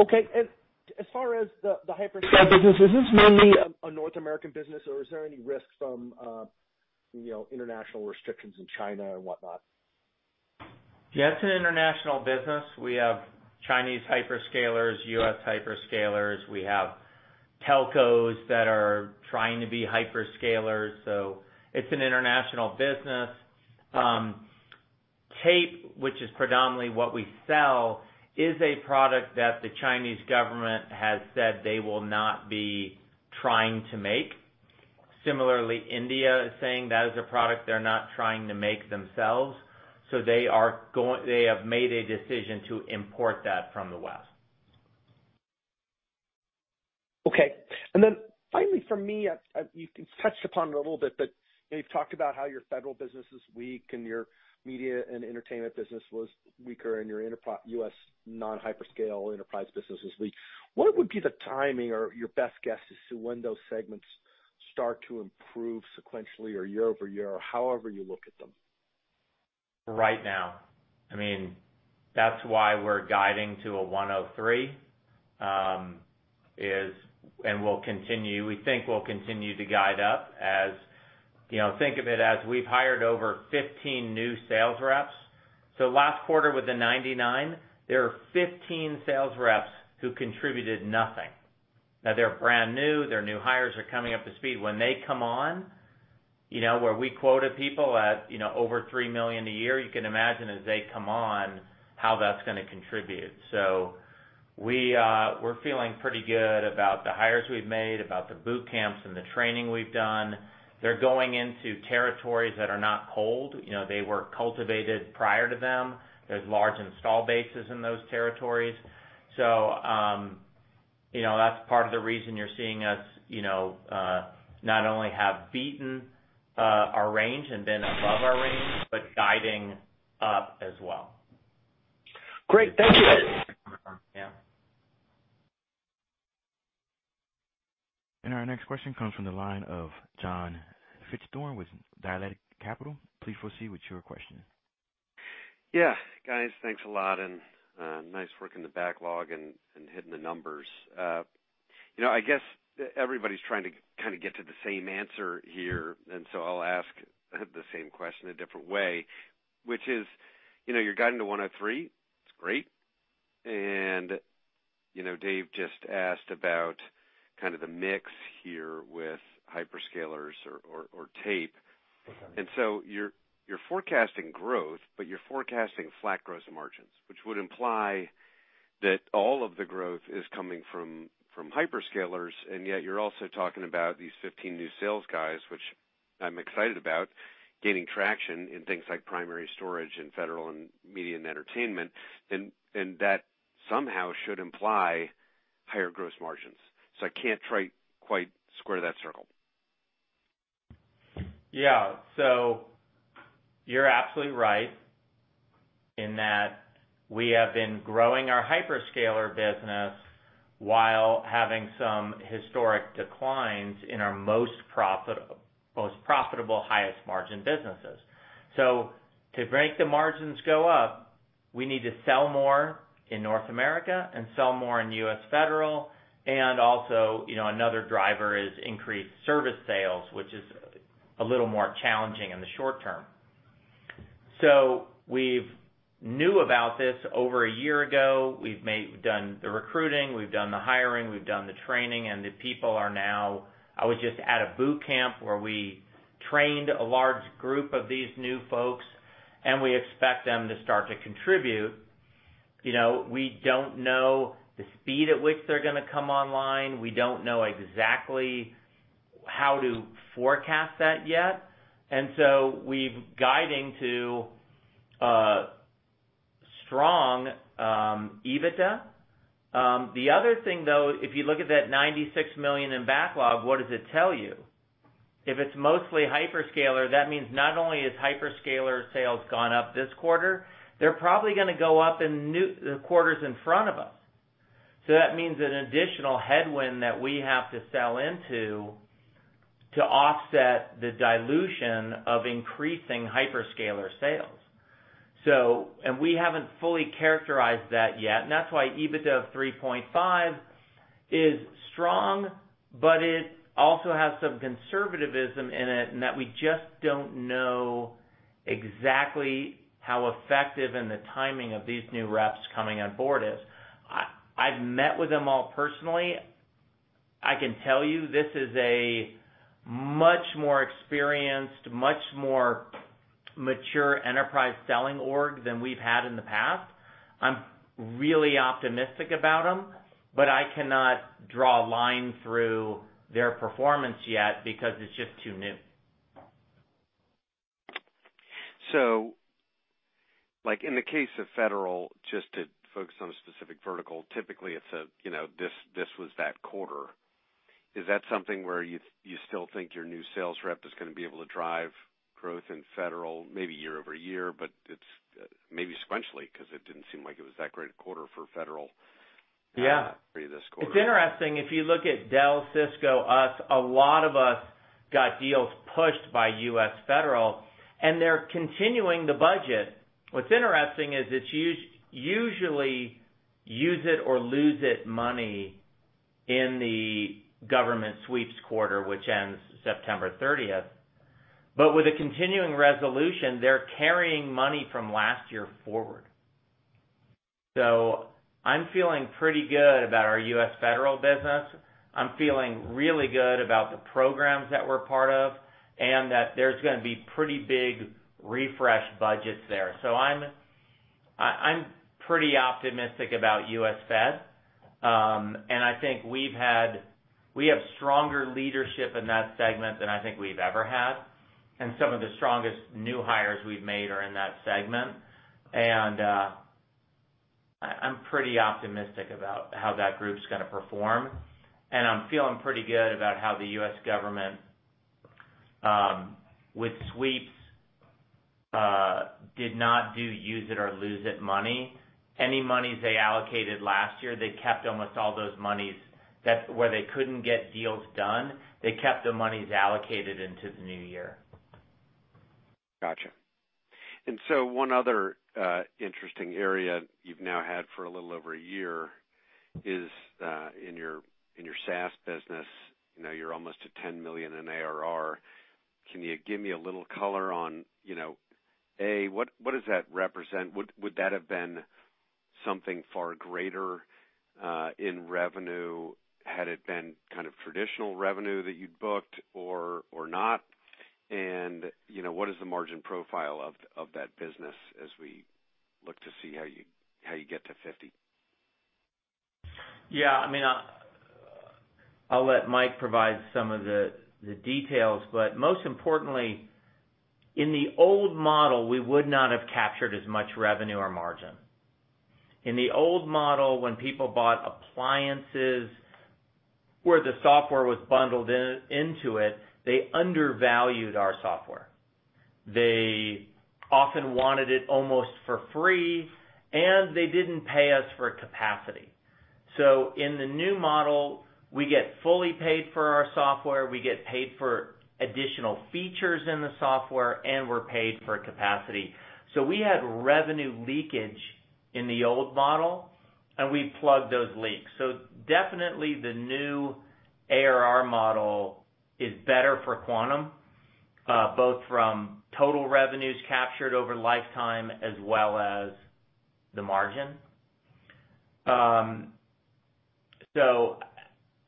Yeah. Okay. As far as the hyperscale business, is this mainly a North American business, or is there any risk from, you know, international restrictions in China and whatnot? Yeah, it's an international business. We have Chinese hyperscalers, U.S. hyperscalers. We have telcos that are trying to be hyperscalers. It's an international business. Tape, which is predominantly what we sell, is a product that the Chinese government has said they will not be trying to make. Similarly, India is saying that is a product they're not trying to make themselves. They have made a decision to import that from the West. Okay. Finally from me, you touched upon it a little bit, but, you know, you've talked about how your federal business is weak and your media and entertainment business was weaker and your U.S. non-hyperscale enterprise business is weak. What would be the timing or your best guess as to when those segments start to improve sequentially or year-over-year, or however you look at them? Right now. I mean, that's why we're guiding to $103 million, and we'll continue. We think we'll continue to guide up. You know, think of it as we've hired over 15 new sales reps. Last quarter with the $99 million, there are 15 sales reps who contributed nothing. Now, they're brand new. Their new hires are coming up to speed. When they come on, you know, where we quoted people at, you know, over $3 million a year, you can imagine as they come on, how that's gonna contribute. We're feeling pretty good about the hires we've made, about the boot camps and the training we've done. They're going into territories that are not cold. You know, they were cultivated prior to them. There's large installed bases in those territories. You know, that's part of the reason you're seeing us, you know, not only have beaten our range and been above our range, but guiding up as well. Great. Thank you. Yeah. Our next question comes from the line of John Fichthorn with Dialectic Capital. Please proceed with your question. Yeah. Guys, thanks a lot, and nice work in the backlog and hitting the numbers. You know, I guess everybody's trying to kind of get to the same answer here, so I'll ask the same question a different way, which is, you know, you're guiding to $103 million. It's great. You know, Dave just asked about kind of the mix here with hyperscalers or tape. Mm-hmm. You're forecasting growth, but you're forecasting flat gross margins, which would imply that all of the growth is coming from hyperscalers, and yet you're also talking about these 15 new sales guys, which I'm excited about, gaining traction in things like primary storage and federal and media and entertainment, and that somehow should imply higher gross margins. I can't quite square that circle. Yeah. You're absolutely right. In that we have been growing our hyperscaler business while having some historic declines in our most profitable, highest margin businesses. To make the margins go up, we need to sell more in North America and sell more in U.S. federal, and also, you know, another driver is increased service sales, which is a little more challenging in the short term. We knew about this over a year ago. We've done the recruiting, we've done the hiring, we've done the training, and the people are now. I was just at a boot camp where we trained a large group of these new folks, and we expect them to start to contribute. You know, we don't know the speed at which they're gonna come online. We don't know exactly how to forecast that yet. We're guiding to strong EBITDA. The other thing, though, if you look at that $96 million in backlog, what does it tell you? If it's mostly hyperscaler, that means not only is hyperscaler sales gone up this quarter, they're probably gonna go up in new quarters in front of us. That means an additional headwind that we have to sell into to offset the dilution of increasing hyperscaler sales. We haven't fully characterized that yet, and that's why EBITDA of $3.5 is strong, but it also has some conservatism in it, in that we just don't know exactly how effective and the timing of these new reps coming on board is. I've met with them all personally. I can tell you this is a much more experienced, much more mature enterprise selling org than we've had in the past. I'm really optimistic about them, but I cannot draw a line through their performance yet because it's just too new. Like, in the case of federal, just to focus on a specific vertical, typically it's, you know, this was that quarter. Is that something where you still think your new sales rep is gonna be able to drive growth in federal maybe year-over-year, but it's maybe sequentially, 'cause it didn't seem like it was that great a quarter for federal. Yeah Pretty this quarter. It's interesting, if you look at Dell, Cisco, us, a lot of us got deals pushed by U.S. federal, and they're continuing the budget. What's interesting is it's usually use it or lose it money in the government sweeps quarter, which ends September thirtieth. With a continuing resolution, they're carrying money from last year forward. I'm feeling pretty good about our U.S. federal business. I'm feeling really good about the programs that we're part of, and that there's gonna be pretty big refresh budgets there. I'm pretty optimistic about U.S. Fed. I think we have stronger leadership in that segment than I think we've ever had, and some of the strongest new hires we've made are in that segment. I'm pretty optimistic about how that group's gonna perform. I'm feeling pretty good about how the U.S. government, with sweeps, did not do use it or lose it money. Any monies they allocated last year, they kept almost all those monies that, where they couldn't get deals done, they kept the monies allocated into the new year. Gotcha. One other interesting area you've now had for a little over a year is in your SaaS business, you know, you're almost at $10 million in ARR. Can you give me a little color on, you know, A, what does that represent? Would that have been something far greater in revenue had it been kind of traditional revenue that you'd booked or not? You know, what is the margin profile of that business as we look to see how you get to $50 million? Yeah, I mean, I'll let Mike provide some of the details. Most importantly, in the old model, we would not have captured as much revenue or margin. In the old model, when people bought appliances where the software was bundled into it, they undervalued our software. They often wanted it almost for free, and they didn't pay us for capacity. In the new model, we get fully paid for our software, we get paid for additional features in the software, and we're paid for capacity. We had revenue leakage in the old model, and we plugged those leaks. Definitely the new ARR model is better for Quantum, both from total revenues captured over lifetime as well as the margin.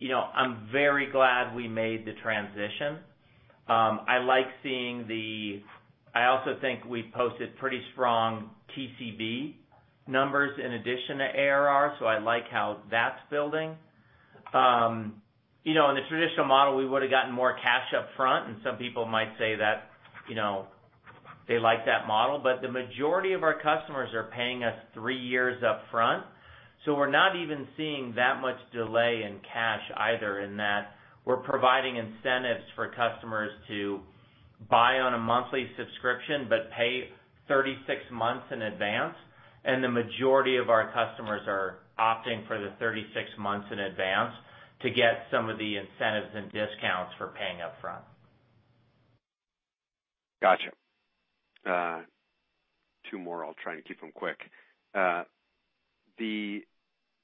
You know, I'm very glad we made the transition. I like seeing the. I also think we've posted pretty strong TCV numbers in addition to ARR, so I like how that's building. You know, in the traditional model, we would've gotten more cash up front, and some people might say that, you know, they like that model. The majority of our customers are paying us three years up front, so we're not even seeing that much delay in cash either in that we're providing incentives for customers to buy on a monthly subscription, but pay 36 months in advance, and the majority of our customers are opting for the 36 months in advance to get some of the incentives and discounts for paying upfront. Gotcha. Two more. I'll try and keep them quick.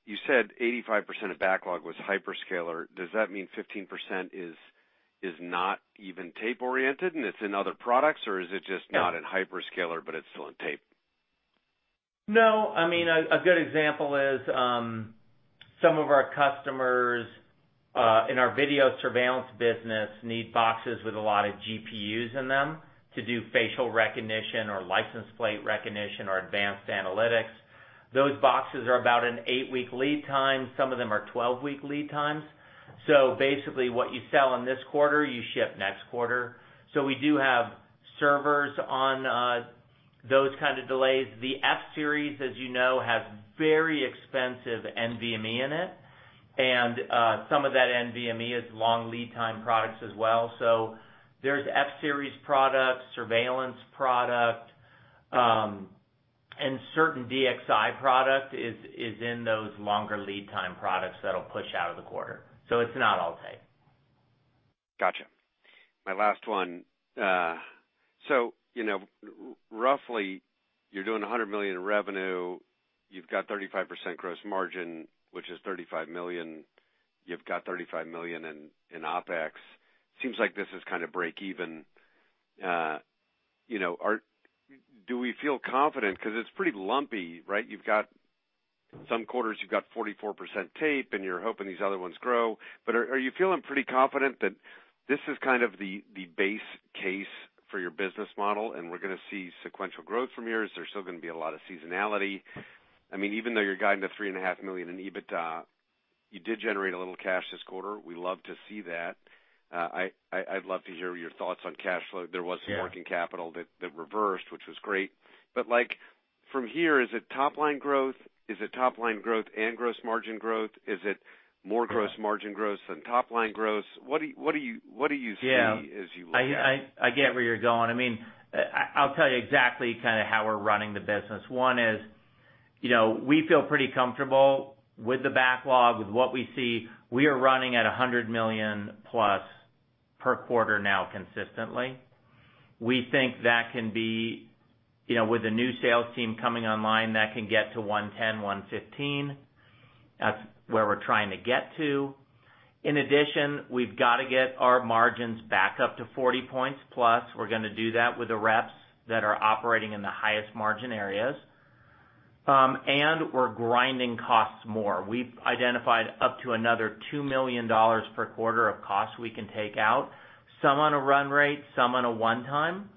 You said 85% of backlog was hyperscaler. Does that mean 15% is not even tape-oriented and it's in other products? Or is it just not in hyperscaler, but it's still in tape? No, I mean, a good example is some of our customers in our video surveillance business need boxes with a lot of GPUs in them to do facial recognition or license plate recognition or advanced analytics. Those boxes are about an eight-week lead time. Some of them are 12-week lead times. Basically, what you sell in this quarter, you ship next quarter. We do have servers on those kind of delays. The F-Series, as you know, have very expensive NVMe in it, and some of that NVMe is long lead time products as well. There's F-Series product, surveillance product, and certain DXi product is in those longer lead time products that'll push out of the quarter. It's not all tape. Gotcha. My last one. So, you know, roughly you're doing $100 million in revenue. You've got 35% gross margin, which is $35 million. You've got $35 million in OpEx. Seems like this is kind of break-even. You know, do we feel confident? 'Cause it's pretty lumpy, right? You've got some quarters, you've got 44% tape, and you're hoping these other ones grow. Are you feeling pretty confident that this is kind of the base case for your business model and we're gonna see sequential growth from here? Is there still gonna be a lot of seasonality? I mean, even though you're guiding to $3.5 million in EBITDA, you did generate a little cash this quarter. We love to see that. I'd love to hear your thoughts on cash flow. There was some working capital that reversed, which was great. Like, from here, is it top-line growth? Is it top-line growth and gross margin growth? Is it more gross margin growth than top-line growth? What do you see as you look at it? Yeah. I get where you're going. I mean, I'll tell you exactly kinda how we're running the business. One is, you know, we feel pretty comfortable with the backlog, with what we see. We are running at $100+ million per quarter now consistently. We think that can be, you know, with the new sales team coming online, that can get to $110 million, $115 million. That's where we're trying to get to. In addition, we've gotta get our margins back up to 40%+. We're gonna do that with the reps that are operating in the highest margin areas. And we're grinding costs more. We've identified up to another $2 million per quarter of costs we can take out, some on a run rate, some on a one-time.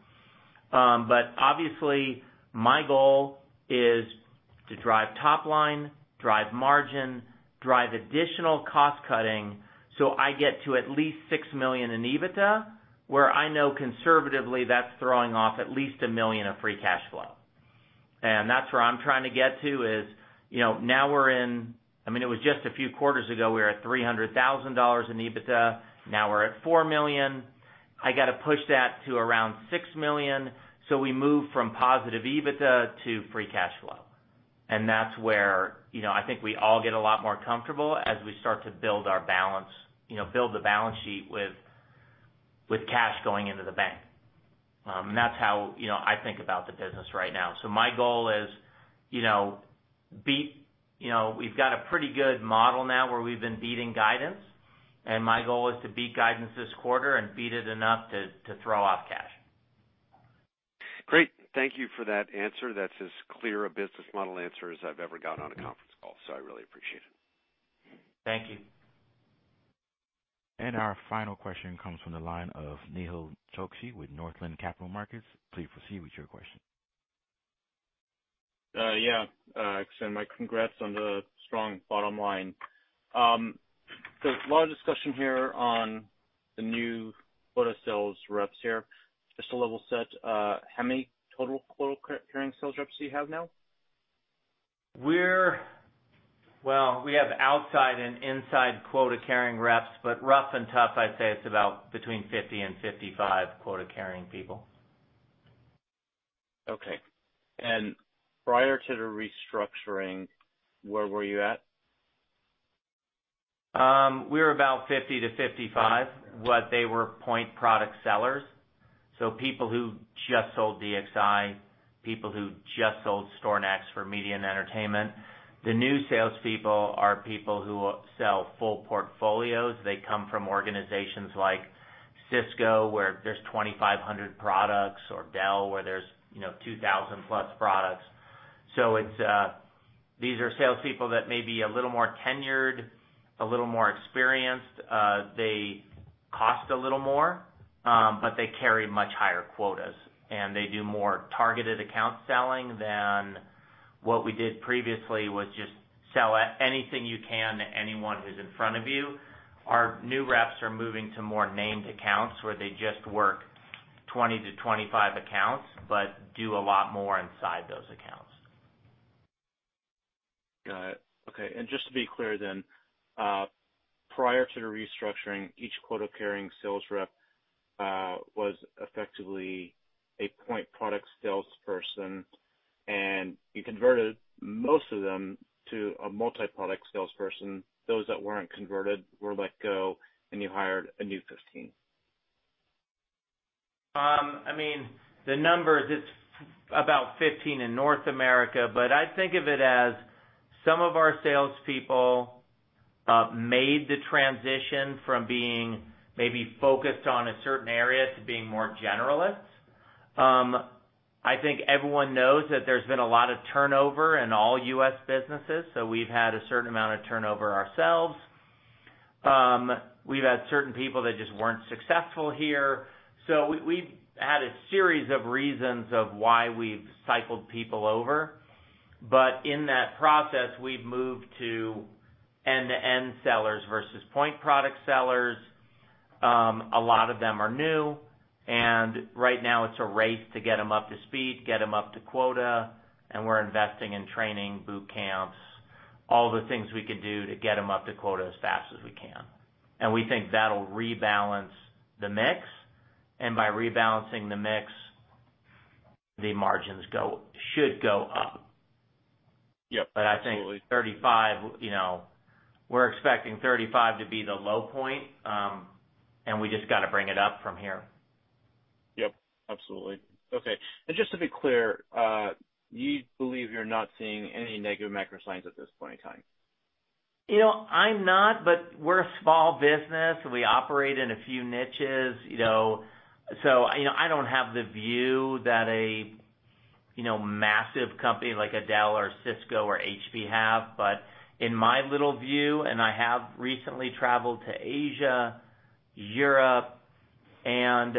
Obviously, my goal is to drive top line, drive margin, drive additional cost-cutting, so I get to at least $6 million in EBITDA, where I know conservatively that's throwing off at least $1 million of free cash flow. That's where I'm trying to get to, you know, it was just a few quarters ago, we were at $300,000 in EBITDA. Now we're at $4 million. I gotta push that to around $6 million, so we move from positive EBITDA to free cash flow. That's where, you know, I think we all get a lot more comfortable as we start to build the balance sheet with cash going into the bank. That's how, you know, I think about the business right now. My goal is, you know, beat. You know, we've got a pretty good model now where we've been beating guidance, and my goal is to beat guidance this quarter and beat it enough to throw off cash. Great. Thank you for that answer. That's as clear a business model answer as I've ever gotten on a conference call, so I really appreciate it. Thank you. Our final question comes from the line of Nehal Chokshi with Northland Capital Markets. Please proceed with your question. Extend my congrats on the strong bottom line. A lot of discussion here on the new field sales reps here. Just to level set, how many total quota-carrying sales reps do you have now? Well, we have outside and inside quota-carrying reps, but rough and tough, I'd say it's about between 50 and 55 quota-carrying people. Okay. Prior to the restructuring, where were you at? We were about 50-55, but they were point product sellers, so people who just sold DXi, people who just sold StorNext for media and entertainment. The new salespeople are people who will sell full portfolios. They come from organizations like Cisco, where there's 2,500 products, or Dell, where there's, you know, 2,000+ products. It's these are salespeople that may be a little more tenured, a little more experienced. They cost a little more, but they carry much higher quotas, and they do more targeted account selling than what we did previously, was just sell anything you can to anyone who's in front of you. Our new reps are moving to more named accounts where they just work 20-25 accounts but do a lot more inside those accounts. Got it. Okay. Just to be clear then, prior to the restructuring, each quota-carrying sales rep was effectively a point product salesperson, and you converted most of them to a multi-product salesperson. Those that weren't converted were let go, and you hired a new 15. I mean, the numbers, it's about 15 in North America, but I think of it as some of our salespeople made the transition from being maybe focused on a certain area to being more generalists. I think everyone knows that there's been a lot of turnover in all U.S. businesses, so we've had a certain amount of turnover ourselves. We've had certain people that just weren't successful here. We've had a series of reasons of why we've cycled people over. In that process, we've moved to end-to-end sellers versus point product sellers. A lot of them are new, and right now it's a race to get them up to speed, get them up to quota, and we're investing in training boot camps, all the things we could do to get them up to quota as fast as we can. We think that'll rebalance the mix. By rebalancing the mix, the margins should go up. Yep, absolutely. I think 35, you know, we're expecting 35 to be the low point, and we just gotta bring it up from here. Yep, absolutely. Okay. Just to be clear, you believe you're not seeing any negative macro signs at this point in time? You know, I'm not, but we're a small business. We operate in a few niches, you know. You know, I don't have the view that a, you know, massive company like a Dell or Cisco or HP have. In my little view, and I have recently traveled to Asia, Europe, and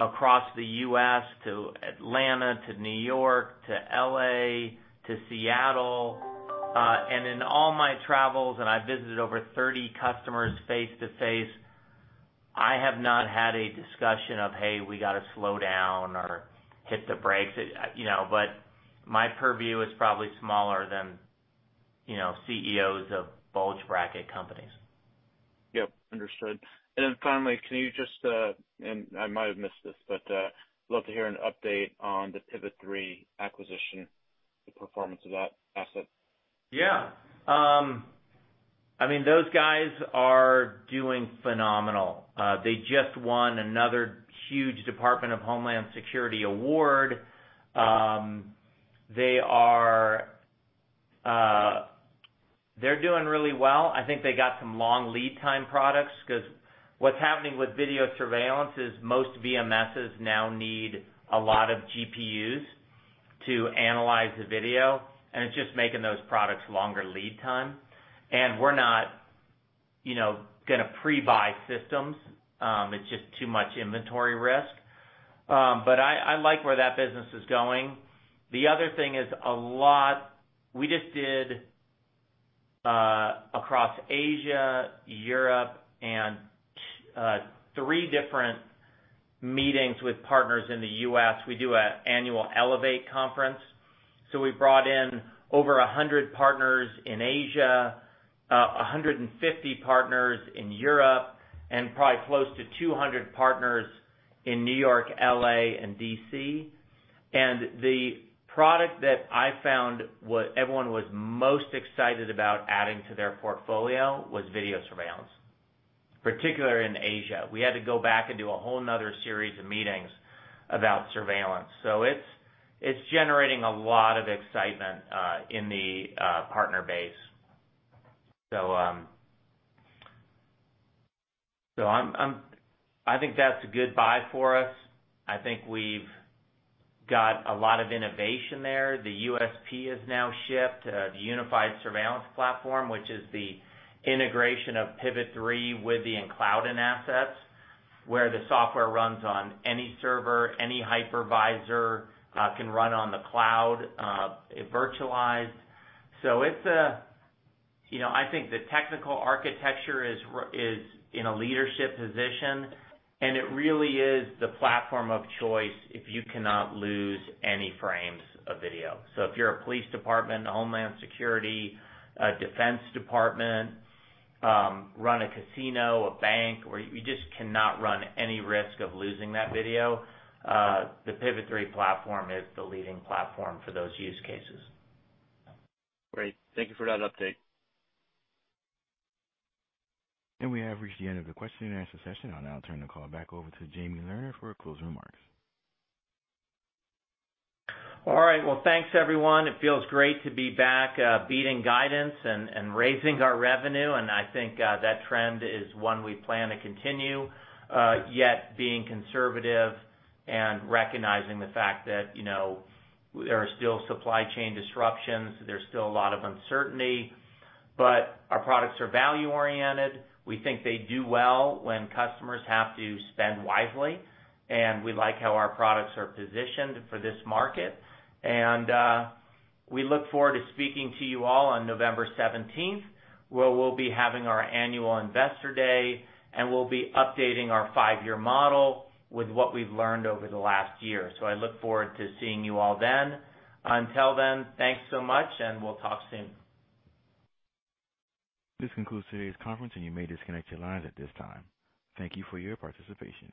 across the U.S., to Atlanta, to New York, to L.A., to Seattle, and in all my travels, and I visited over 30 customers face-to-face, I have not had a discussion of, "Hey, we gotta slow down or hit the brakes." You know, my purview is probably smaller than, you know, CEOs of bulge bracket companies. Yep, understood. Then finally, can you just, and I might have missed this, but, love to hear an update on the Pivot3 acquisition, the performance of that asset? Yeah. I mean, those guys are doing phenomenal. They just won another huge Department of Homeland Security award. They're doing really well. I think they got some long lead time products, 'cause what's happening with video surveillance is most VMSs now need a lot of GPUs to analyze the video, and it's just making those products longer lead time. We're not, you know, gonna pre-buy systems. It's just too much inventory risk. I like where that business is going. We just did across Asia, Europe, and three different meetings with partners in the U.S. We do an annual Elevate conference. We brought in over 100 partners in Asia, 150 partners in Europe, and probably close to 200 partners in New York, L.A., and D.C. The product that I found everyone was most excited about adding to their portfolio was video surveillance, particularly in Asia. We had to go back and do a whole nother series of meetings about surveillance. It's generating a lot of excitement in the partner base. So I'm I think that's a good buy for us. I think we've got a lot of innovation there. The USP has now shipped the Unified Surveillance Platform, which is the integration of Pivot3 with the EnCloudEn assets, where the software runs on any server, any hypervisor, can run on the cloud, it virtualize. So you know, I think the technical architecture is in a leadership position, and it really is the platform of choice if you cannot lose any frames of video. If you're a police department, a Homeland Security, a defense department, run a casino, a bank where you just cannot run any risk of losing that video, the Pivot3 platform is the leading platform for those use cases. Great. Thank you for that update. We have reached the end of the question-and-answer session. I'll now turn the call back over to Jamie Lerner for closing remarks. All right. Well, thanks, everyone. It feels great to be back, beating guidance and raising our revenue. I think that trend is one we plan to continue, yet being conservative and recognizing the fact that, you know, there are still supply chain disruptions, there's still a lot of uncertainty. Our products are value-oriented. We think they do well when customers have to spend wisely, and we like how our products are positioned for this market. We look forward to speaking to you all on November 17th, 2022, where we'll be having our annual Investor Day, and we'll be updating our five-year model with what we've learned over the last year. I look forward to seeing you all then. Until then, thanks so much, and we'll talk soon. This concludes today's conference, and you may disconnect your lines at this time. Thank you for your participation.